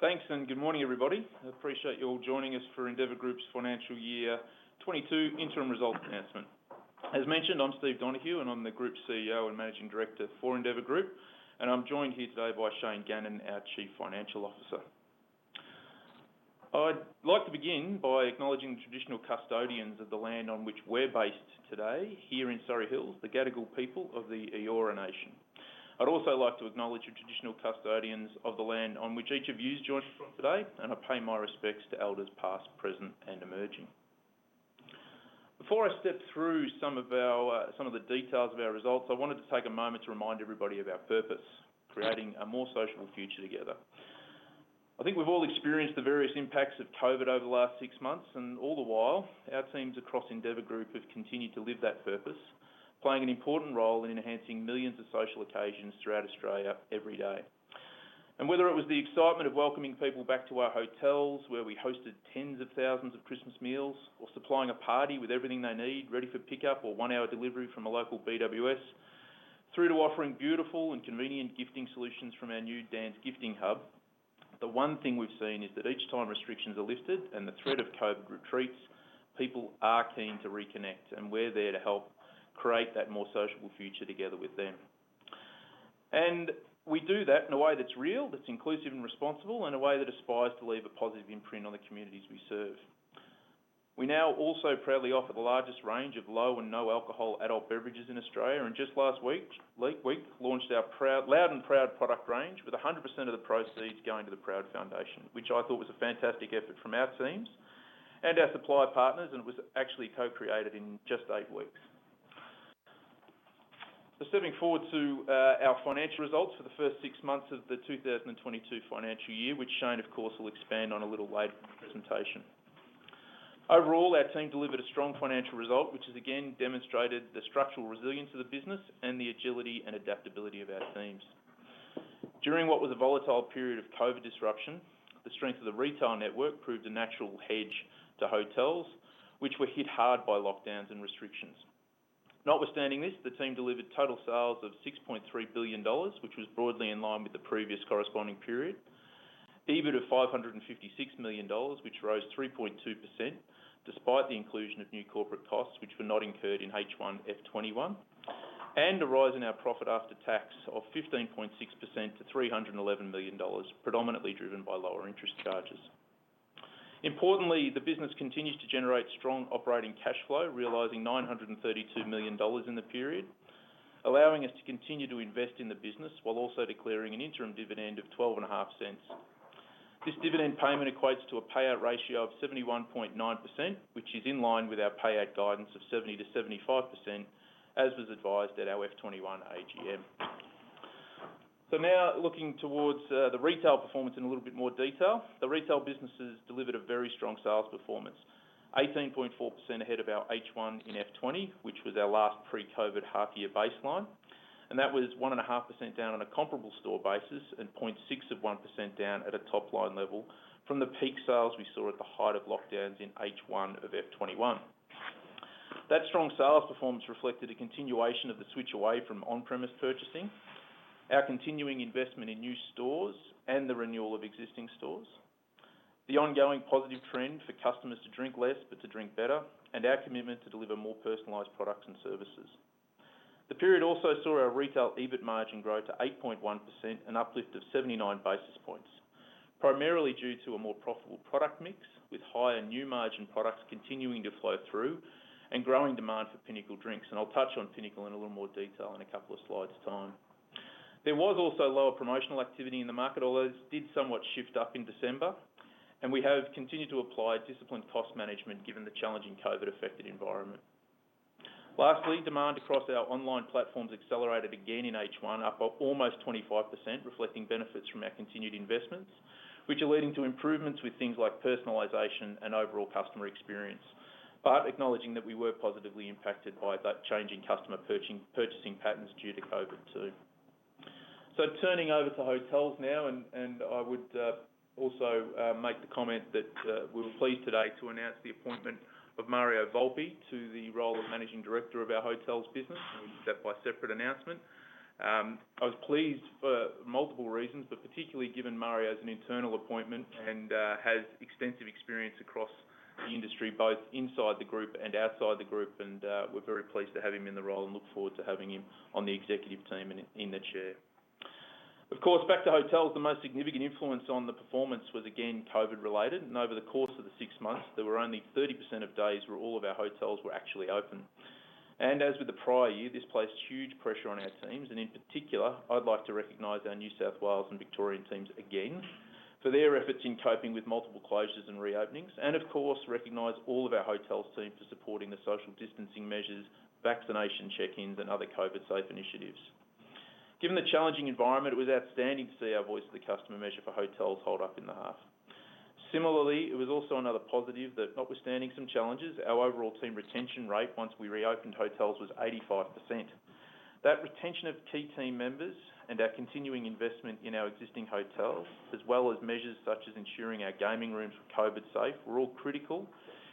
Thanks, and good morning, everybody. I appreciate you all joining us for Endeavour Group's financial year 2022 interim results announcement. As mentioned, I'm Steve Donohue, and I'm the Group CEO and Managing Director for Endeavour Group. I'm joined here today by Shane Gannon, our Chief Financial Officer. I'd like to begin by acknowledging the traditional custodians of the land on which we're based today here in Surry Hills, the Gadigal people of the Eora Nation. I'd also like to acknowledge the traditional custodians of the land on which each of you has joined us from today, and I pay my respects to elders past, present, and emerging. Before I step through some of the details of our results, I wanted to take a moment to remind everybody of our purpose, creating a more sociable future together. I think we've all experienced the various impacts of COVID over the last six months, and all the while, our teams across Endeavour Group have continued to live that purpose, playing an important role in enhancing millions of social occasions throughout Australia every day. Whether it was the excitement of welcoming people back to our hotels, where we hosted tens of thousands of Christmas meals, or supplying a party with everything they need, ready for pickup or one-hour delivery from a local BWS, through to offering beautiful and convenient gifting solutions from our new Dan's Gifting Hub, the one thing we've seen is that each time restrictions are lifted and the threat of COVID retreats, people are keen to reconnect, and we're there to help create that more sociable future together with them. We do that in a way that's real, that's inclusive and responsible, in a way that aspires to leave a positive imprint on the communities we serve. We now also proudly offer the largest range of low and no alcohol adult beverages in Australia. Just last week, launched Loud and Proud product range with 100% of the proceeds going to the Pride Foundation, which I thought was a fantastic effort from our teams and our supplier partners, and it was actually co-created in just eight weeks. Stepping forward to our financial results for the first six months of the 2022 financial year, which Shane, of course, will expand on a little later in the presentation. Overall, our team delivered a strong financial result, which has again demonstrated the structural resilience of the business and the agility and adaptability of our teams. During what was a volatile period of COVID disruption, the strength of the retail network proved a natural hedge to hotels, which were hit hard by lockdowns and restrictions. Notwithstanding this, the team delivered total sales of 6.3 billion dollars, which was broadly in line with the previous corresponding period. EBIT of 556 million dollars, which rose 3.2% despite the inclusion of new corporate costs, which were not incurred in H1 F 2021. A rise in our profit after tax of 15.6% to 311 million dollars, predominantly driven by lower interest charges. Importantly, the business continues to generate strong operating cash flow, realizing 932 million dollars in the period, allowing us to continue to invest in the business while also declaring an interim dividend of 0.125. This dividend payment equates to a payout ratio of 71.9%, which is in line with our payout guidance of 70%-75%, as was advised at our FY 2021 AGM. Now looking towards the retail performance in a little bit more detail. The retail businesses delivered a very strong sales performance, 18.4% ahead of our H1 FY 2020, which was our last pre-COVID half year baseline. That was 1.5% down on a comparable store basis, and 0.6% down at a top-line level from the peak sales we saw at the height of lockdowns in H1 of FY 2021. That strong sales performance reflected a continuation of the switch away from on-premise purchasing, our continuing investment in new stores and the renewal of existing stores, the ongoing positive trend for customers to drink less, but to drink better, and our commitment to deliver more personalized products and services. The period also saw our retail EBIT margin grow to 8.1%, an uplift of 79 basis points, primarily due to a more profitable product mix, with higher new-margin products continuing to flow through and growing demand for Pinnacle Drinks. I'll touch on Pinnacle in a little more detail in a couple of slides' time. There was also lower promotional activity in the market, although this did somewhat shift up in December, and we have continued to apply disciplined cost management given the challenging COVID-affected environment. Lastly, demand across our online platforms accelerated again in H1, up by almost 25%, reflecting benefits from our continued investments, which are leading to improvements with things like personalization and overall customer experience. Acknowledging that we were positively impacted by that change in customer purchasing patterns due to COVID too. Turning over to hotels now, I would also make the comment that we were pleased today to announce the appointment of Mario Volpe to the role of Managing Director of our hotels business, and we did that by a separate announcement. I was pleased for multiple reasons, but particularly given Mario's an internal appointment and has extensive experience across the industry, both inside the group and outside the group, and we're very pleased to have him in the role and look forward to having him on the executive team and in the chair. Of course, back to hotels. The most significant influence on the performance was again COVID-related, and over the course of the six months, there were only 30% of days where all of our hotels were actually open. As with the prior year, this placed huge pressure on our teams, and in particular, I'd like to recognize our New South Wales and Victorian teams again for their efforts in coping with multiple closures and reopenings, and of course, recognize all of our hotels team for supporting the social distancing measures, vaccination check-ins, and other COVID-safe initiatives. Given the challenging environment, it was outstanding to see our voice of the customer measure for hotels hold up in the half. Similarly, it was also another positive that notwithstanding some challenges, our overall team retention rate once we reopened hotels was 85%. That retention of key team members and our continuing investment in our existing hotels, as well as measures such as ensuring our gaming rooms were COVID safe, were all critical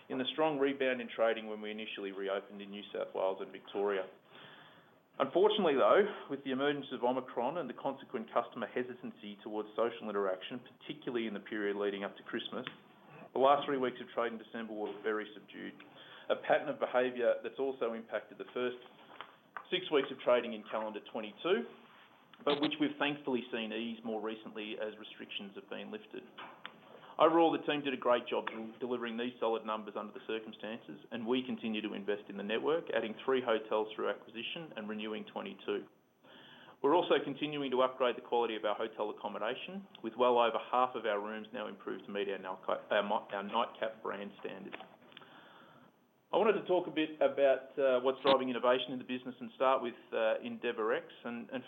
in the strong rebound in trading when we initially reopened in New South Wales and Victoria. Unfortunately though, with the emergence of Omicron and the consequent customer hesitancy towards social interaction, particularly in the period leading up to Christmas, the last three weeks of trade in December were very subdued. A pattern of behavior that's also impacted the first six weeks of trading in calendar 2022, but which we've thankfully seen ease more recently as restrictions have been lifted. Overall, the team did a great job in delivering these solid numbers under the circumstances, and we continue to invest in the network, adding three hotels through acquisition and renewing 22. We're also continuing to upgrade the quality of our hotel accommodation with well over half of our rooms now improved to meet our Nightcap brand standard. I wanted to talk a bit about what's driving innovation in the business and start with endeavourX.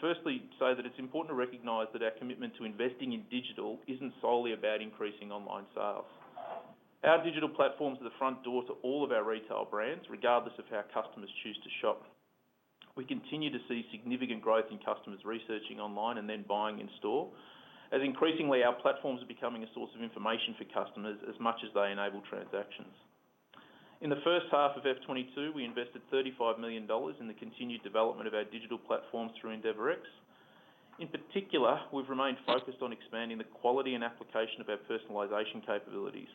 First, say that it's important to recognize that our commitment to investing in digital isn't solely about increasing online sales. Our digital platforms are the front door to all of our retail brands, regardless of how customers choose to shop. We continue to see significant growth in customers researching online and then buying in store, as increasingly our platforms are becoming a source of information for customers as much as they enable transactions. In the H1 of FY 2022, we invested 35 million dollars in the continued development of our digital platforms through endeavourX. In particular, we've remained focused on expanding the quality and application of our personalization capabilities.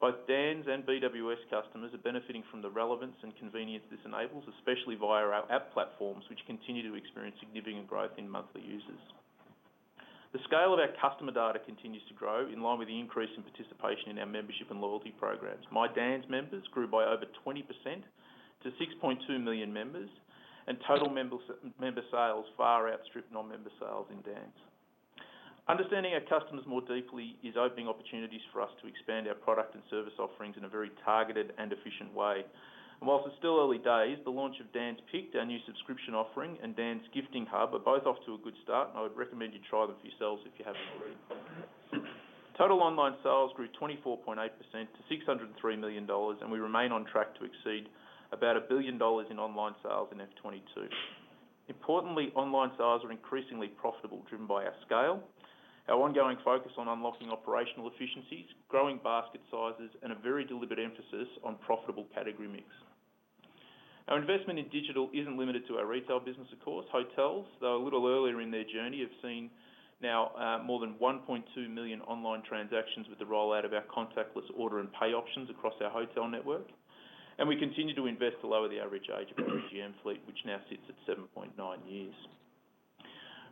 Both Dan's and BWS customers are benefiting from the relevance and convenience this enables, especially via our app platforms, which continue to experience significant growth in monthly users. The scale of our customer data continues to grow in line with the increase in participation in our membership and loyalty programs. My Dan's members grew by over 20% to 6.2 million members, and total member sales far outstrip non-member sales in Dan's. Understanding our customers more deeply is opening opportunities for us to expand our product and service offerings in a very targeted and efficient way. Whilst it's still early days, the launch of Dan's Pick, our new subscription offering, and Dan's Gifting Hub are both off to a good start, and I would recommend you try them for yourselves if you haven't already. Total online sales grew 24.8% to 603 million dollars, and we remain on track to exceed about 1 billion dollars in online sales in FY 2022. Importantly, online sales are increasingly profitable, driven by our scale, our ongoing focus on unlocking operational efficiencies, growing basket sizes, and a very deliberate emphasis on profitable category mix. Our investment in digital isn't limited to our retail business, of course. Hotels, though a little earlier in their journey, have seen now more than 1.2 million online transactions with the rollout of our contactless order and pay options across our hotel network. We continue to invest to lower the average age of our EGM fleet, which now sits at 7.9 years.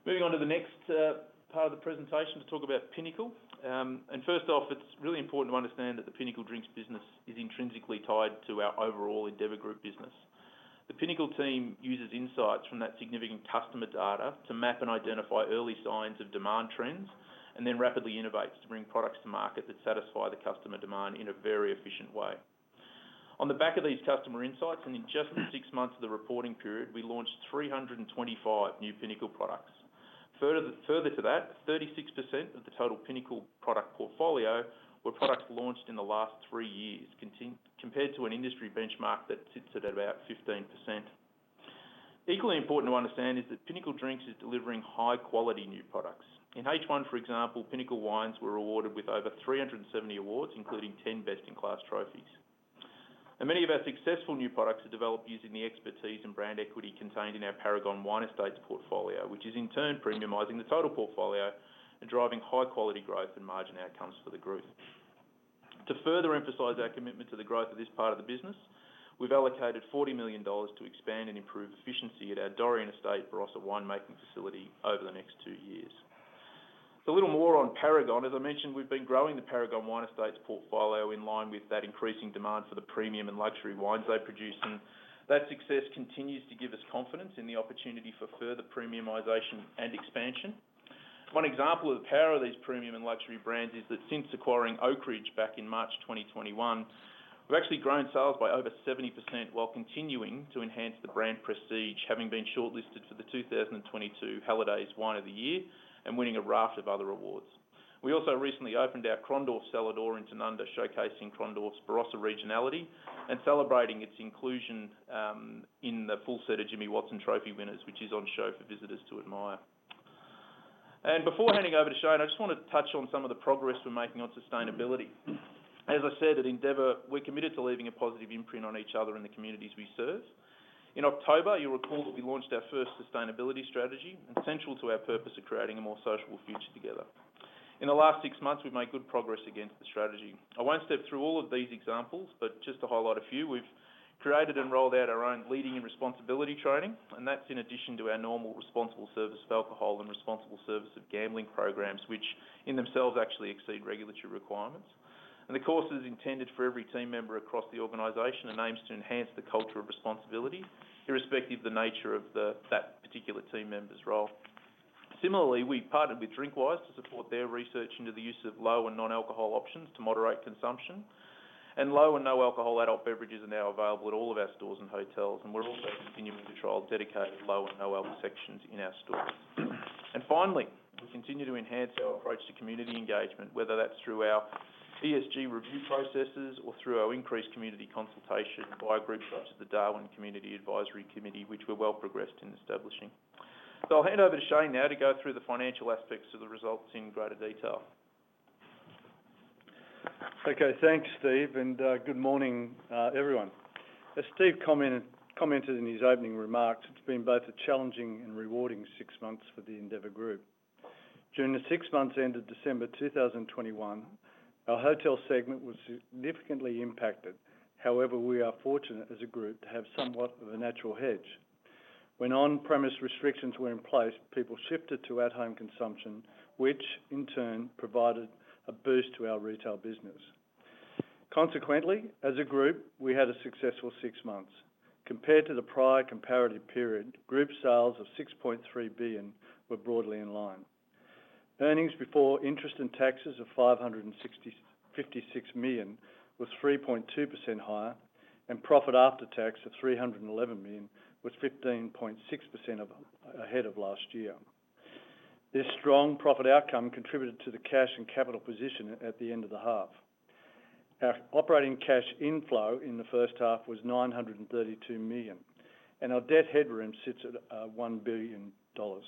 Moving on to the next part of the presentation to talk about Pinnacle. First off, it's really important to understand that the Pinnacle Drinks business is intrinsically tied to our overall Endeavour Group business. The Pinnacle team uses insights from that significant customer data to map and identify early signs of demand trends, and then rapidly innovates to bring products to market that satisfy the customer demand in a very efficient way. On the back of these customer insights, and in just the six months of the reporting period, we launched 325 new Pinnacle products. Further to that, 36% of the total Pinnacle product portfolio were products launched in the last three years compared to an industry benchmark that sits at about 15%. Equally important to understand is that Pinnacle Drinks is delivering high-quality new products. In H1, for example, Pinnacle wines were awarded with over 370 awards, including 10 Best in Class trophies. Many of our successful new products are developed using the expertise and brand equity contained in our Paragon Wine Estates portfolio, which is in turn premiumizing the total portfolio and driving high-quality growth and margin outcomes for the group. To further emphasize our commitment to the growth of this part of the business, we've allocated 40 million dollars to expand and improve efficiency at our Dorrien Estate Barossa Winemaking facility over the next two years. A little more on Paragon. As I mentioned, we've been growing the Paragon Wine Estates portfolio in line with that increasing demand for the premium and luxury wines they produce, and that success continues to give us confidence in the opportunity for further premiumization and expansion. One example of the power of these premium and luxury brands is that since acquiring Oakridge back in March 2021, we've actually grown sales by over 70% while continuing to enhance the brand prestige, having been shortlisted for the 2022 Halliday's Wine of the Year and winning a raft of other awards. We also recently opened our Krondorf Cellar Door in Tanunda, showcasing Krondorf's Barossa regionality and celebrating its inclusion in the full set of Jimmy Watson Trophy winners, which is on show for visitors to admire. Before handing over to Shane, I just wanna touch on some of the progress we're making on sustainability. As I said, at Endeavour, we're committed to leaving a positive imprint on each other in the communities we serve. In October, you'll recall that we launched our first sustainability strategy, essential to our purpose of creating a more sociable future together. In the last six months, we've made good progress against the strategy. I won't step through all of these examples, but just to highlight a few, we've created and rolled out our own Leading in Responsibility training, and that's in addition to our normal Responsible Service of Alcohol and Responsible Service of Gambling programs, which in themselves actually exceed regulatory requirements. The course is intended for every team member across the organization and aims to enhance the culture of responsibility, irrespective of the nature of that particular team member's role. Similarly, we partnered with DrinkWise to support their research into the use of low and non-alcohol options to moderate consumption. Low and no-alcohol adult beverages are now available at all of our stores and hotels, and we're also continuing to trial dedicated low and no-alcohol sections in our stores. Finally, we continue to enhance our approach to community engagement, whether that's through our ESG review processes or through our increased community consultation via groups such as the Darwin Community Advisory Committee, which we're well progressed in establishing. I'll hand over to Shane now to go through the financial aspects of the results in greater detail. Okay, thanks Steve, and good morning, everyone. As Steve commented in his opening remarks, it's been both a challenging and rewarding six months for the Endeavour Group. During the six months ended December 2021, our hotel segment was significantly impacted. However, we are fortunate as a group to have somewhat of a natural hedge. When on-premise restrictions were in place, people shifted to at home consumption, which in turn provided a boost to our retail business. Consequently, as a group, we had a successful six months. Compared to the prior comparative period, group sales of 6.3 billion were broadly in line. Earnings before interest and taxes of 565 million was 3.2% higher, and profit after tax of 311 million was 15.6% ahead of last year. This strong profit outcome contributed to the cash and capital position at the end of the half. Our operating cash inflow in the first half was 932 million, and our debt headroom sits at 1 billion dollars.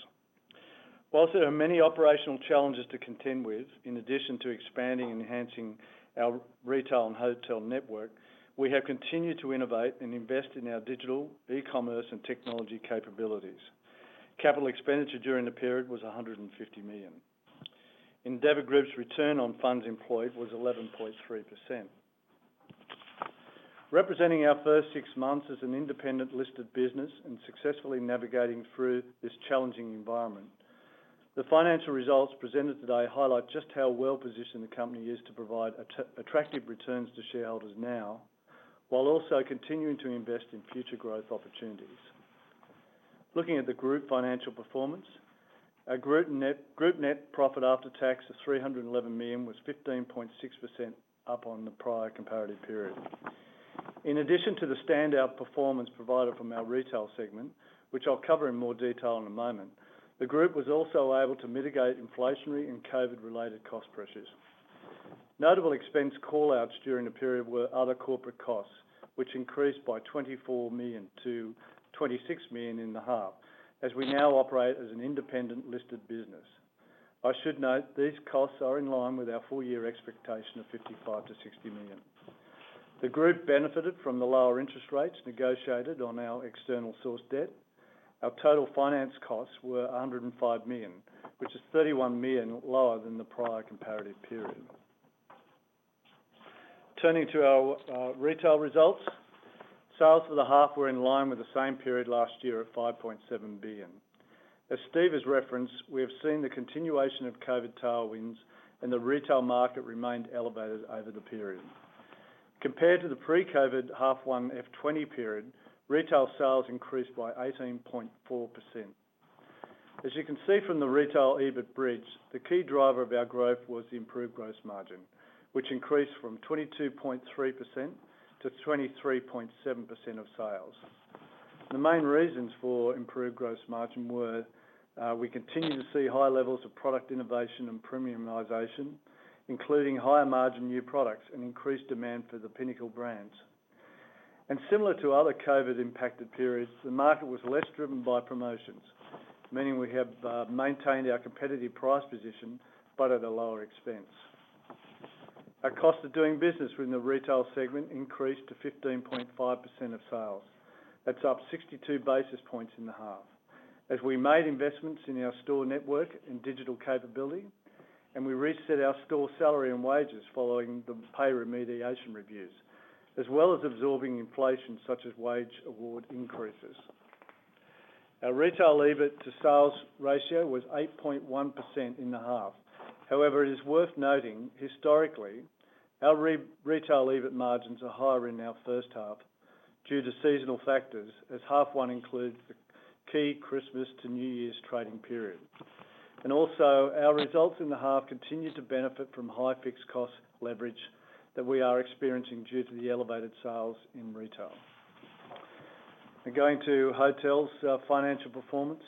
While there are many operational challenges to contend with, in addition to expanding and enhancing our retail and hotel network, we have continued to innovate and invest in our digital, e-commerce, and technology capabilities. Capital expenditure during the period was 150 million. Endeavour Group's return on funds employed was 11.3%, representing our first six months as an independent listed business and successfully navigating through this challenging environment. The financial results presented today highlight just how well-positioned the company is to provide attractive returns to shareholders now, while also continuing to invest in future growth opportunities. Looking at the group financial performance. Our group net profit after tax of 311 million was 15.6% up on the prior comparative period. In addition to the standout performance provided from our retail segment, which I'll cover in more detail in a moment, the group was also able to mitigate inflationary and COVID-19 related cost pressures. Notable expense call-outs during the period were other corporate costs, which increased by 24 million to 26 million in the half, as we now operate as an independent listed business. I should note, these costs are in line with our full year expectation of 55 million-60 million. The group benefited from the lower interest rates negotiated on our external source debt. Our total finance costs were 105 million, which is 31 million lower than the prior comparative period. Turning to our retail results. Sales for the half were in line with the same period last year of 5.7 billion. As Steve has referenced, we have seen the continuation of COVID tailwinds and the retail market remained elevated over the period. Compared to the pre-COVID H1 FY 2020 period, retail sales increased by 18.4%. As you can see from the retail EBIT bridge, the key driver of our growth was the improved gross margin, which increased from 22.3%-23.7% of sales. The main reasons for improved gross margin were, we continue to see high levels of product innovation and premiumization, including higher margin new products and increased demand for the Pinnacle brands. Similar to other COVID impacted periods, the market was less driven by promotions, meaning we have maintained our competitive price position, but at a lower expense. Our cost of doing business in the retail segment increased to 15.5% of sales. That's up 62 basis points in the half. We made investments in our store network and digital capability, and we reset our store salary and wages following the pay remediation reviews, as well as absorbing inflation such as wage award increases. Our retail EBIT to sales ratio was 8.1% in the half. However, it is worth noting historically, our retail EBIT margins are higher in our first half due to seasonal factors, as H1 includes the key Christmas to New Year's trading period. Our results in the half continue to benefit from high fixed cost leverage that we are experiencing due to the elevated sales in retail. We're going to hotels, financial performance.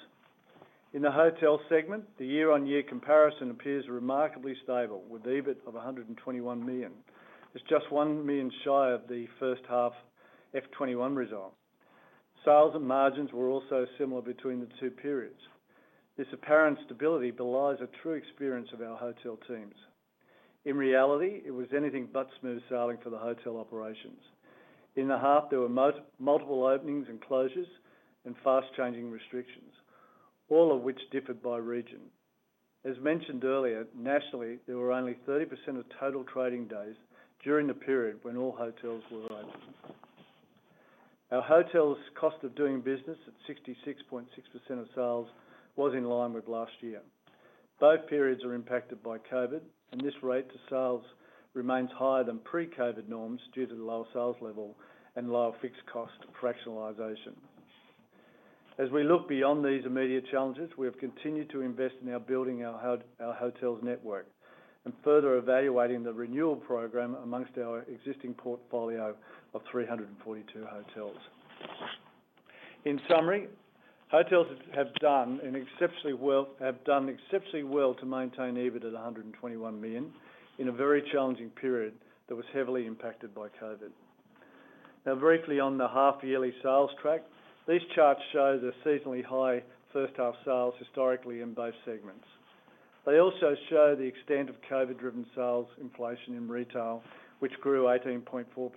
In the hotel segment, the year-on-year comparison appears remarkably stable with EBIT of 121 million. It's just 1 million shy of the first half FY 2021 result. Sales and margins were also similar between the two periods. This apparent stability belies a true experience of our hotel teams. In reality, it was anything but smooth sailing for the hotel operations. In the half, there were multiple openings and closures and fast changing restrictions, all of which differed by region. As mentioned earlier, nationally, there were only 30% of total trading days during the period when all hotels were open. Our hotel's cost of doing business at 66.6% of sales was in line with last year. Both periods are impacted by COVID, and this rate to sales remains higher than pre-COVID norms due to the lower sales level and lower fixed cost fractionalization. As we look beyond these immediate challenges, we have continued to invest in building our hotels network and further evaluating the renewal program among our existing portfolio of 342 hotels. In summary, hotels have done exceptionally well to maintain EBIT at 121 million in a very challenging period that was heavily impacted by COVID. Now briefly on the half-yearly sales track. These charts show the seasonally high first half sales historically in both segments. They also show the extent of COVID-driven sales inflation in retail, which grew 18.4%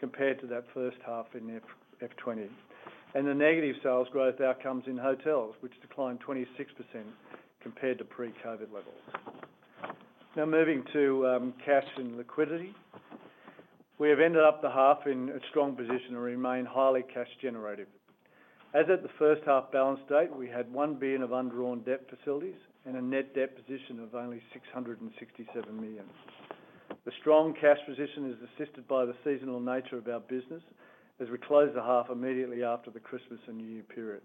compared to that first half in FY 2020. The negative sales growth outcomes in hotels, which declined 26% compared to pre-COVID levels. Now moving to cash and liquidity. We have ended up the half in a strong position and remain highly cash generative. As at the first half balance date, we had 1 billion of undrawn debt facilities and a net debt position of only 667 million. The strong cash position is assisted by the seasonal nature of our business as we close the half immediately after the Christmas and New Year period.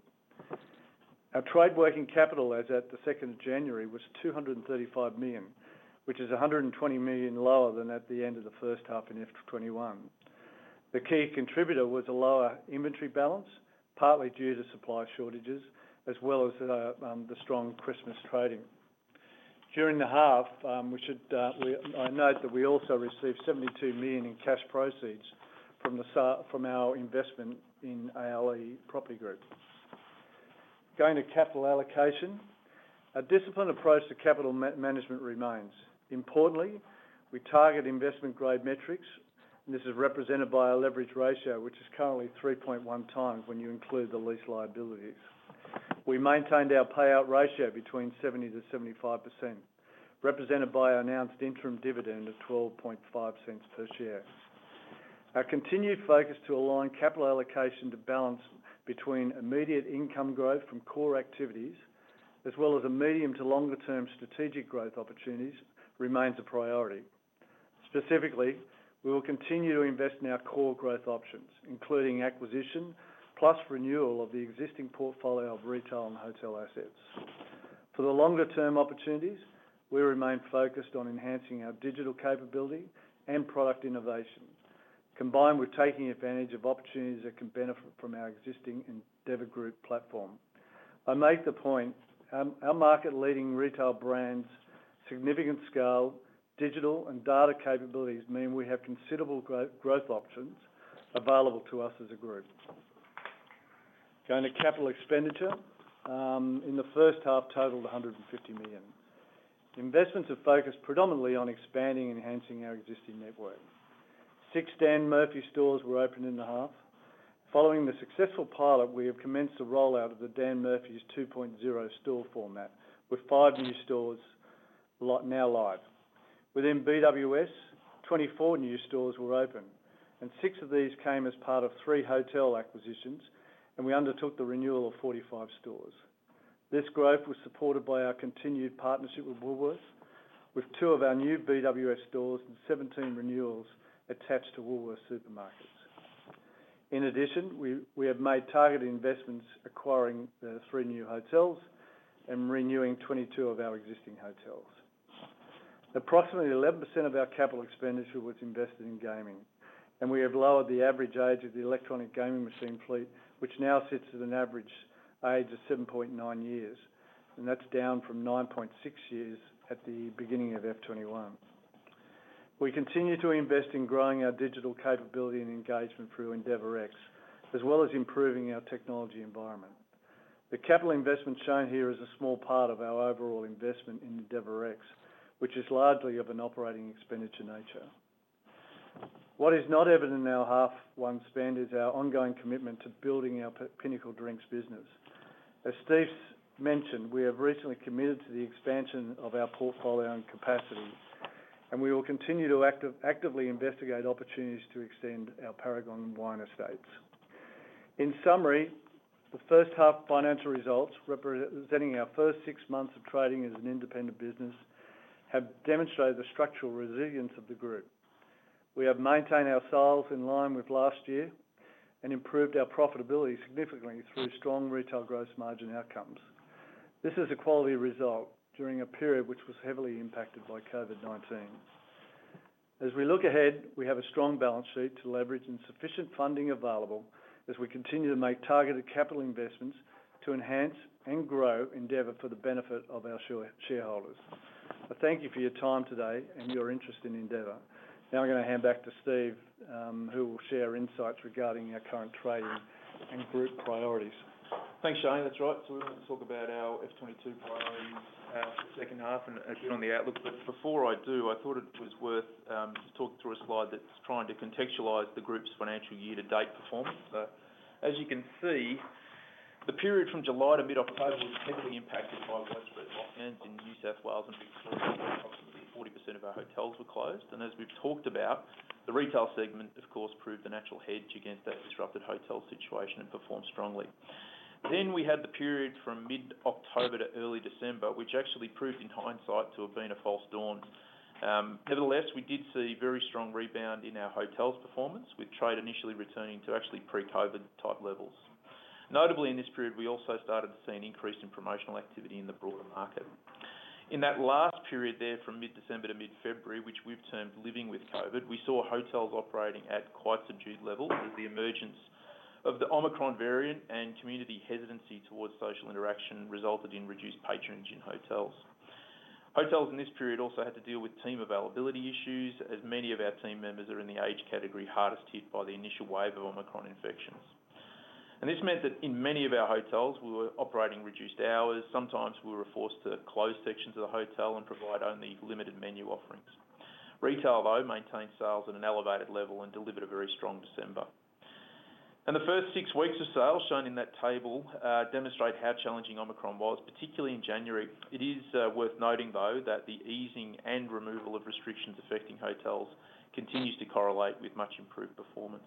Our trade working capital as at the 2nd of January was 235 million, which is 120 million lower than at the end of the first half in FY 2021. The key contributor was a lower inventory balance, partly due to supply shortages as well as the strong Christmas trading. During the half, I note that we also received 72 million in cash proceeds from our investment in ALE Property Group. Going to capital allocation. Our disciplined approach to capital management remains. Importantly, we target investment grade metrics, and this is represented by our leverage ratio, which is currently 3.1x when you include the lease liabilities. We maintained our payout ratio between 70%-75%, represented by our announced interim dividend of 0.125 per share. Our continued focus to align capital allocation to balance between immediate income growth from core activities as well as a medium to longer term strategic growth opportunities remains a priority. Specifically, we will continue to invest in our core growth options, including acquisition plus renewal of the existing portfolio of retail and hotel assets. For the longer term opportunities, we remain focused on enhancing our digital capability and product innovation, combined with taking advantage of opportunities that can benefit from our existing Endeavour Group platform. I make the point, our market leading retail brands, significant scale, digital and data capabilities mean we have considerable growth options available to us as a group. Going to capital expenditure, in the first half totaled AUD 150 million. Investments have focused predominantly on expanding enhancing our existing network. Six Dan Murphy's stores were opened in the half. Following the successful pilot, we have commenced a rollout of the Dan Murphy's 2.0 store format, with five new stores now live. Within BWS, 24 new stores were opened, and six of these came as part of three hotel acquisitions, and we undertook the renewal of 45 stores. This growth was supported by our continued partnership with Woolworths, with two of our new BWS stores and 17 renewals attached to Woolworths supermarkets. In addition, we have made targeted investments acquiring the three new hotels and renewing 22 of our existing hotels. Approximately 11% of our capital expenditure was invested in gaming, and we have lowered the average age of the electronic gaming machine fleet, which now sits at an average age of 7.9 years. That's down from 9.6 years at the beginning of FY 2021. We continue to invest in growing our digital capability and engagement through EndeavourX, as well as improving our technology environment. The capital investment shown here is a small part of our overall investment in EndeavourX, which is largely of an operating expenditure nature. What is not evident in our H1 spend is our ongoing commitment to building our Pinnacle Drinks business. As Steve's mentioned, we have recently committed to the expansion of our portfolio and capacity, and we will continue to actively investigate opportunities to extend our Paragon Wine Estates. In summary, the first half financial results representing our first six months of trading as an independent business have demonstrated the structural resilience of the group. We have maintained our sales in line with last year and improved our profitability significantly through strong retail gross margin outcomes. This is a quality result during a period which was heavily impacted by COVID-19. As we look ahead, we have a strong balance sheet to leverage and sufficient funding available as we continue to make targeted capital investments to enhance and grow Endeavour for the benefit of our shareholders. I thank you for your time today and your interest in Endeavour. Now I'm gonna hand back to Steve, who will share insights regarding our current trading and group priorities. Thanks, Shane. That's right. We're going to talk about our FY 2022 priorities for the second half and a view on the outlook. Before I do, I thought it was worth just talking through a slide that's trying to contextualize the group's financial year to date performance. As you can see, the period from July to mid-October was heavily impacted by widespread lockdowns in New South Wales and Victoria, where approximately 40% of our hotels were closed. As we've talked about, the retail segment, of course, proved a natural hedge against that disrupted hotel situation and performed strongly. We had the period from mid-October to early December, which actually proved in hindsight to have been a false dawn. Nevertheless, we did see very strong rebound in our hotels performance, with trade initially returning to actually pre-COVID type levels. Notably in this period, we also started to see an increase in promotional activity in the broader market. In that last period from mid-December to mid-February, which we've termed living with COVID, we saw hotels operating at quite subdued levels as the emergence of the Omicron variant and community hesitancy towards social interaction resulted in reduced patronage in hotels. Hotels in this period also had to deal with team availability issues, as many of our team members are in the age category hardest hit by the initial wave of Omicron infections. This meant that in many of our hotels, we were operating reduced hours. Sometimes we were forced to close sections of the hotel and provide only limited menu offerings. Retail, though, maintained sales at an elevated level and delivered a very strong December. The first six weeks of sales shown in that table demonstrate how challenging Omicron was, particularly in January. It is worth noting, though, that the easing and removal of restrictions affecting hotels continues to correlate with much improved performance.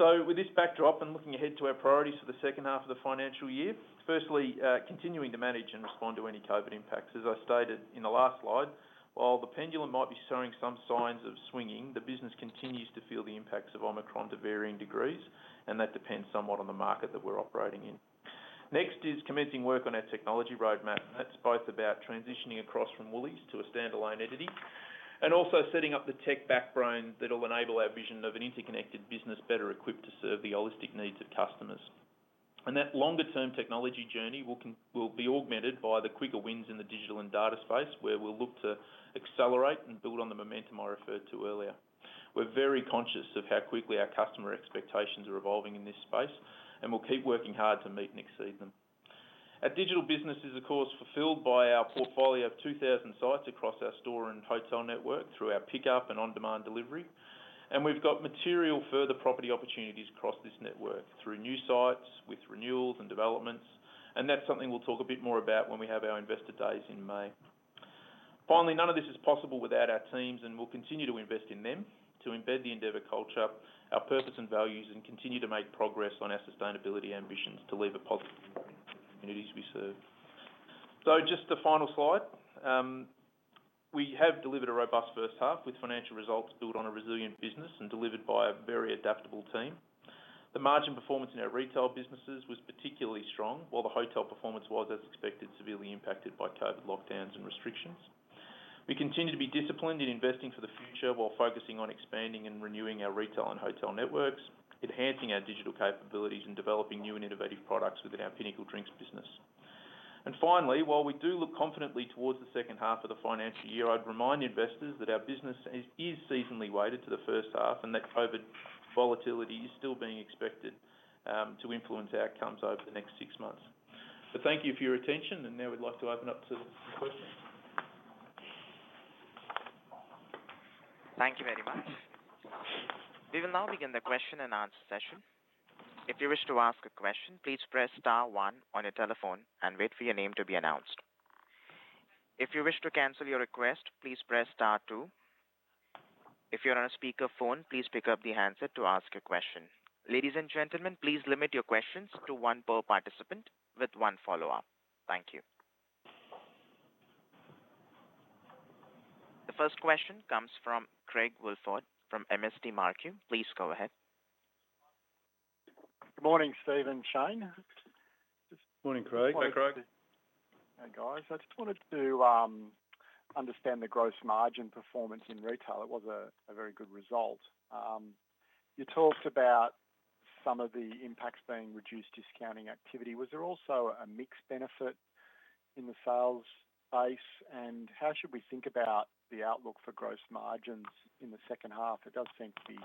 With this backdrop and looking ahead to our priorities for the second half of the financial year, firstly, continuing to manage and respond to any COVID impacts. As I stated in the last slide, while the pendulum might be showing some signs of swinging, the business continues to feel the impacts of Omicron to varying degrees, and that depends somewhat on the market that we're operating in. Next is commencing work on our technology roadmap, and that's both about transitioning across from Woolies to a standalone entity and also setting up the tech backbone that will enable our vision of an interconnected business better equipped to serve the holistic needs of customers. That longer-term technology journey will be augmented by the quicker wins in the digital and data space, where we'll look to accelerate and build on the momentum I referred to earlier. We're very conscious of how quickly our customer expectations are evolving in this space, and we'll keep working hard to meet and exceed them. Our digital business is of course fulfilled by our portfolio of 2,000 sites across our store and hotel network through our pickup and on-demand delivery. We've got material further property opportunities across this network through new sites with renewals and developments, and that's something we'll talk a bit more about when we have our investor days in May. Finally, none of this is possible without our teams, and we'll continue to invest in them to embed the Endeavour culture, our purpose and values, and continue to make progress on our sustainability ambitions to leave a positive impact on communities we serve. Just the final slide. We have delivered a robust first half with financial results built on a resilient business and delivered by a very adaptable team. The margin performance in our retail businesses was particularly strong, while the hotel performance was, as expected, severely impacted by COVID-19 lockdowns and restrictions. We continue to be disciplined in investing for the future while focusing on expanding and renewing our retail and hotel networks, enhancing our digital capabilities, and developing new and innovative products within our Pinnacle Drinks business. Finally, while we do look confidently towards the second half of the financial year, I'd remind investors that our business is seasonally weighted to the first half and that COVID volatility is still being expected to influence outcomes over the next six months. Thank you for your attention, and now we'd like to open up to some questions. Thank you very much. We will now begin the question and answer session. If you wish to ask a question, please press star one on your telephone and wait for your name to be announced. If you wish to cancel your request, please press star two. If you're on a speaker phone, please pick up the handset to ask a question. Ladies and gentlemen, please limit your questions to one per participant with one follow-up. Thank you. The first question comes from Craig Woolford from MST Marquee. Please go ahead. Good morning, Steve and Shane. Morning, Craig. Morning, Craig. Hey, guys. I just wanted to understand the gross margin performance in retail. It was a very good result. You talked about some of the impacts being reduced discounting activity. Was there also a mixed benefit in the sales base? How should we think about the outlook for gross margins in the second half? It does seem to be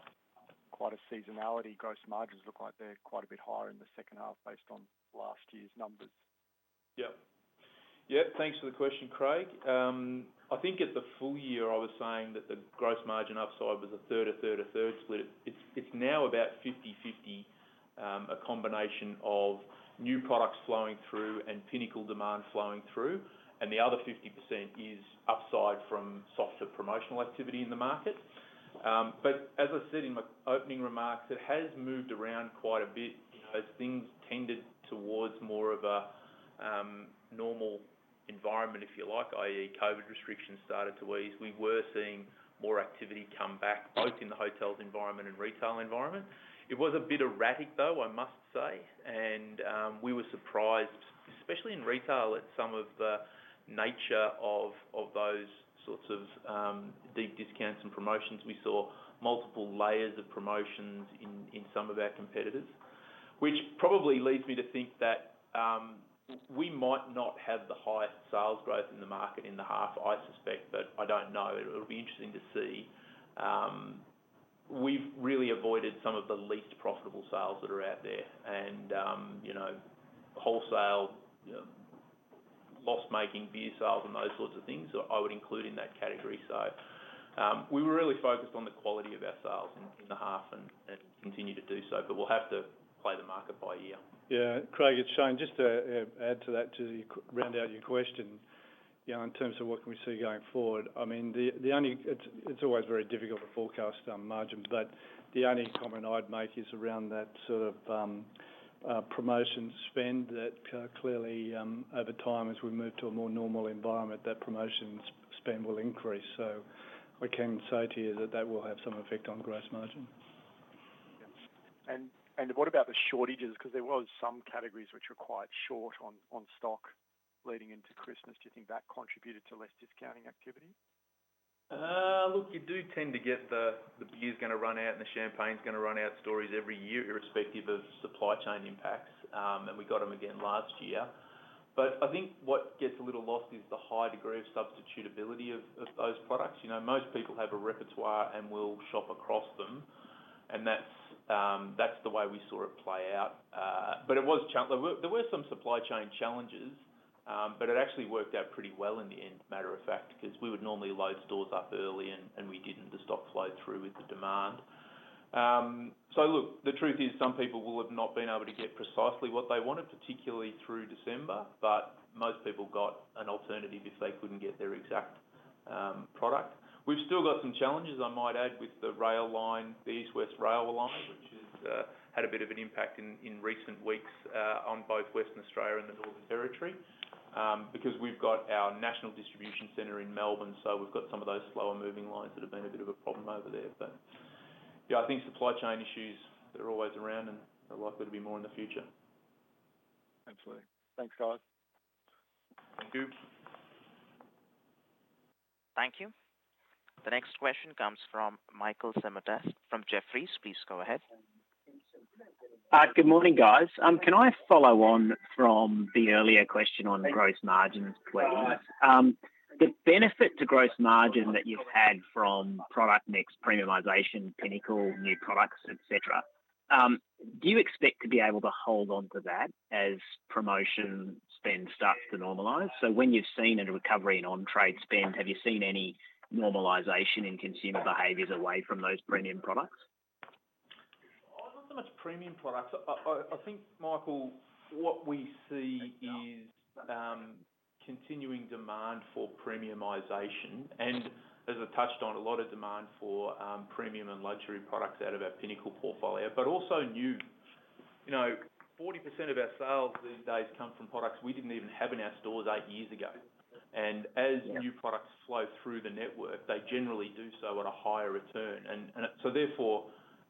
quite a seasonality. Gross margins look like they're quite a bit higher in the second half based on last year's numbers. Yes. Thanks for the question, Craig. I think at the full year, I was saying that the gross margin upside was a third split. It's now about 50/50, a combination of new products flowing through and Pinnacle demand flowing through, and the other 50% is upside from softer promotional activity in the market. As I said in my opening remarks, it has moved around quite a bit as things tended towards more of a normal environment, if you like, i.e., COVID restrictions started to ease. We were seeing more activity come back both in the hotels environment and retail environment. It was a bit erratic, though, I must say, and we were surprised, especially in retail, at some of the nature of those sorts of deep discounts and promotions. We saw multiple layers of promotions in some of our competitors, which probably leads me to think that we might not have the highest sales growth in the market in the half, I suspect, but I don't know. It'll be interesting to see. We've really avoided some of the least profitable sales that are out there and, you know, wholesale, loss-making beer sales and those sorts of things I would include in that category. We were really focused on the quality of our sales in the half and continue to do so. We'll have to play the market by ear. Yeah. Craig, it's Shane. Just to add to that, to round out your question. You know, in terms of what can we see going forward. I mean, it's always very difficult to forecast margin, but the only comment I'd make is around that sort of promotion spend that clearly over time, as we move to a more normal environment, that promotion spend will increase. We can say to you that that will have some effect on gross margin. What about the shortages? 'Cause there was some categories which were quite short on stock leading into Christmas. Do you think that contributed to less discounting activity? Look, you do tend to get the beer's gonna run out, and the champagne's gonna run out stories every year, irrespective of supply chain impacts. We got 'em again last year. I think what gets a little lost is the high degree of substitutability of those products. You know, most people have a repertoire and will shop across them, and that's the way we saw it play out. There were some supply chain challenges, but it actually worked out pretty well in the end, matter of fact, 'cause we would normally load stores up early and we didn't. The stock flowed through with the demand. Look, the truth is some people will have not been able to get precisely what they wanted, particularly through December, but most people got an alternative if they couldn't get their exact product. We've still got some challenges, I might add, with the rail line, the east-west rail line, which has had a bit of an impact in recent weeks on both Western Australia and the Northern Territory, because we've got our national distribution center in Melbourne, so we've got some of those slower moving lines that have been a bit of a problem over there. Yeah, I think supply chain issues, they're always around and are likely to be more in the future. Absolutely. Thanks guys. Thank you. Thank you. The next question comes from Michael Simotas from Jefferies. Please go ahead. Good morning guys. Can I follow on from the earlier question on gross margins, please? The benefit to gross margin that you've had from product mix, premiumization, Pinnacle, new products, et cetera, do you expect to be able to hold onto that as promotion spend starts to normalize? When you've seen a recovery in on trade spend, have you seen any normalization in consumer behaviors away from those premium products? Oh, not so much premium products. I think, Michael, what we see is continuing demand for premiumization and as I touched on, a lot of demand for premium and luxury products out of our Pinnacle portfolio. Also new. You know, 40% of our sales these days come from products we didn't even have in our stores eight years ago. Yeah As new products flow through the network, they generally do so at a higher return.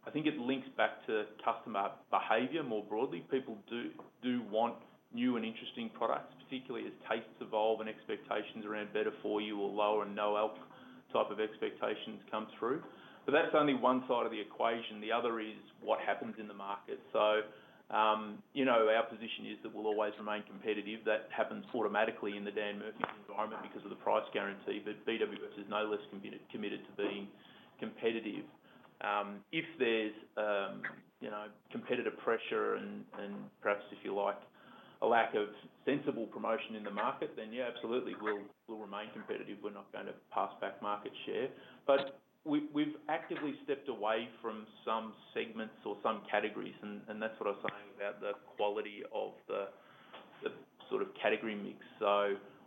I think it links back to customer behavior more broadly. People do want new and interesting products, particularly as tastes evolve and expectations around better for you or lower and no alc type of expectations come through. That's only one side of the equation. The other is what happens in the market. You know, our position is that we'll always remain competitive. That happens automatically in the Dan Murphy's environment because of the price guarantee, but BWS is no less committed to being competitive. If there's competitive pressure and perhaps if you like, a lack of sensible promotion in the market, then yeah, absolutely we'll remain competitive. We're not going to pass back market share. We've actively stepped away from some segments or some categories and that's what I was saying about the quality of the sort of category mix.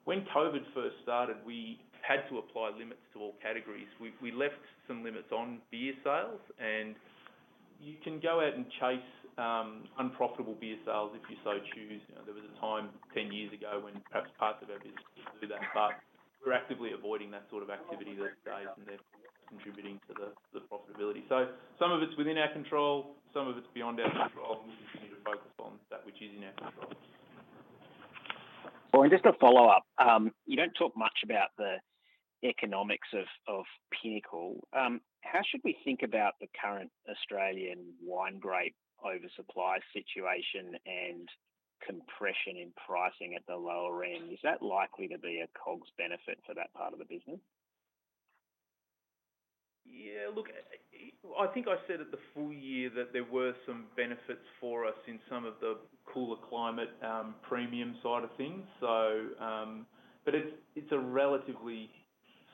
When COVID first started, we had to apply limits to all categories. We left some limits on beer sales, and you can go out and chase unprofitable beer sales if you so choose. You know, there was a time 10 years ago when perhaps parts of our business used to do that. We're actively avoiding that sort of activity these days and therefore contributing to the profitability. Some of it's within our control, some of it's beyond our control, and we just need to focus on that which is in our control. Well, just to follow up, you don't talk much about the economics of Pinnacle. How should we think about the current Australian wine grape oversupply situation and compression in pricing at the lower end? Is that likely to be a COGS benefit for that part of the business? Yeah, look, I think I said at the full year that there were some benefits for us in some of the cooler climate, premium side of things. It's a relatively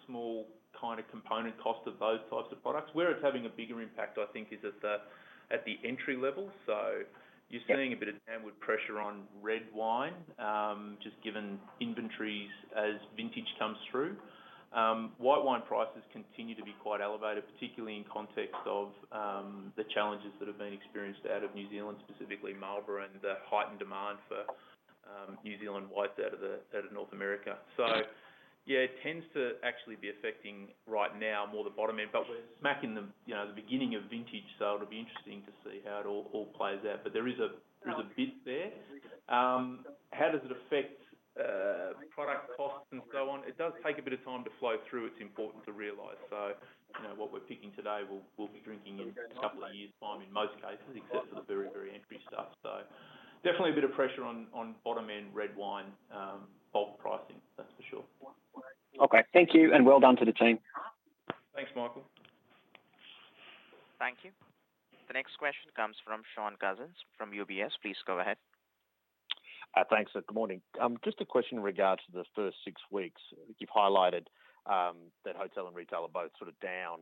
small kind of component cost of those types of products. Where it's having a bigger impact I think is at the entry level. You're seeing a bit of downward pressure on red wine, just given inventories as vintage comes through. White wine prices continue to be quite elevated, particularly in context of the challenges that have been experienced out of New Zealand, specifically Marlborough and the heightened demand for New Zealand whites out of North America. Yeah, it tends to actually be affecting right now more the bottom end. We're smack in the, you know, the beginning of vintage, so it'll be interesting to see how it all plays out. There is a bit there. How does it affect product costs and so on? It does take a bit of time to flow through, it's important to realize. You know, what we're picking today, we'll be drinking in a couple of years' time in most cases except for the very, very entry stuff. Definitely a bit of pressure on bottom end red wine, bulk pricing, that's for sure. Okay. Thank you and well done to the team. Thanks, Michael. Thank you. The next question comes from Shaun Cousins from UBS. Please go ahead. Thanks and good morning. Just a question in regards to the first six weeks. You've highlighted that hotel and retail are both sort of down.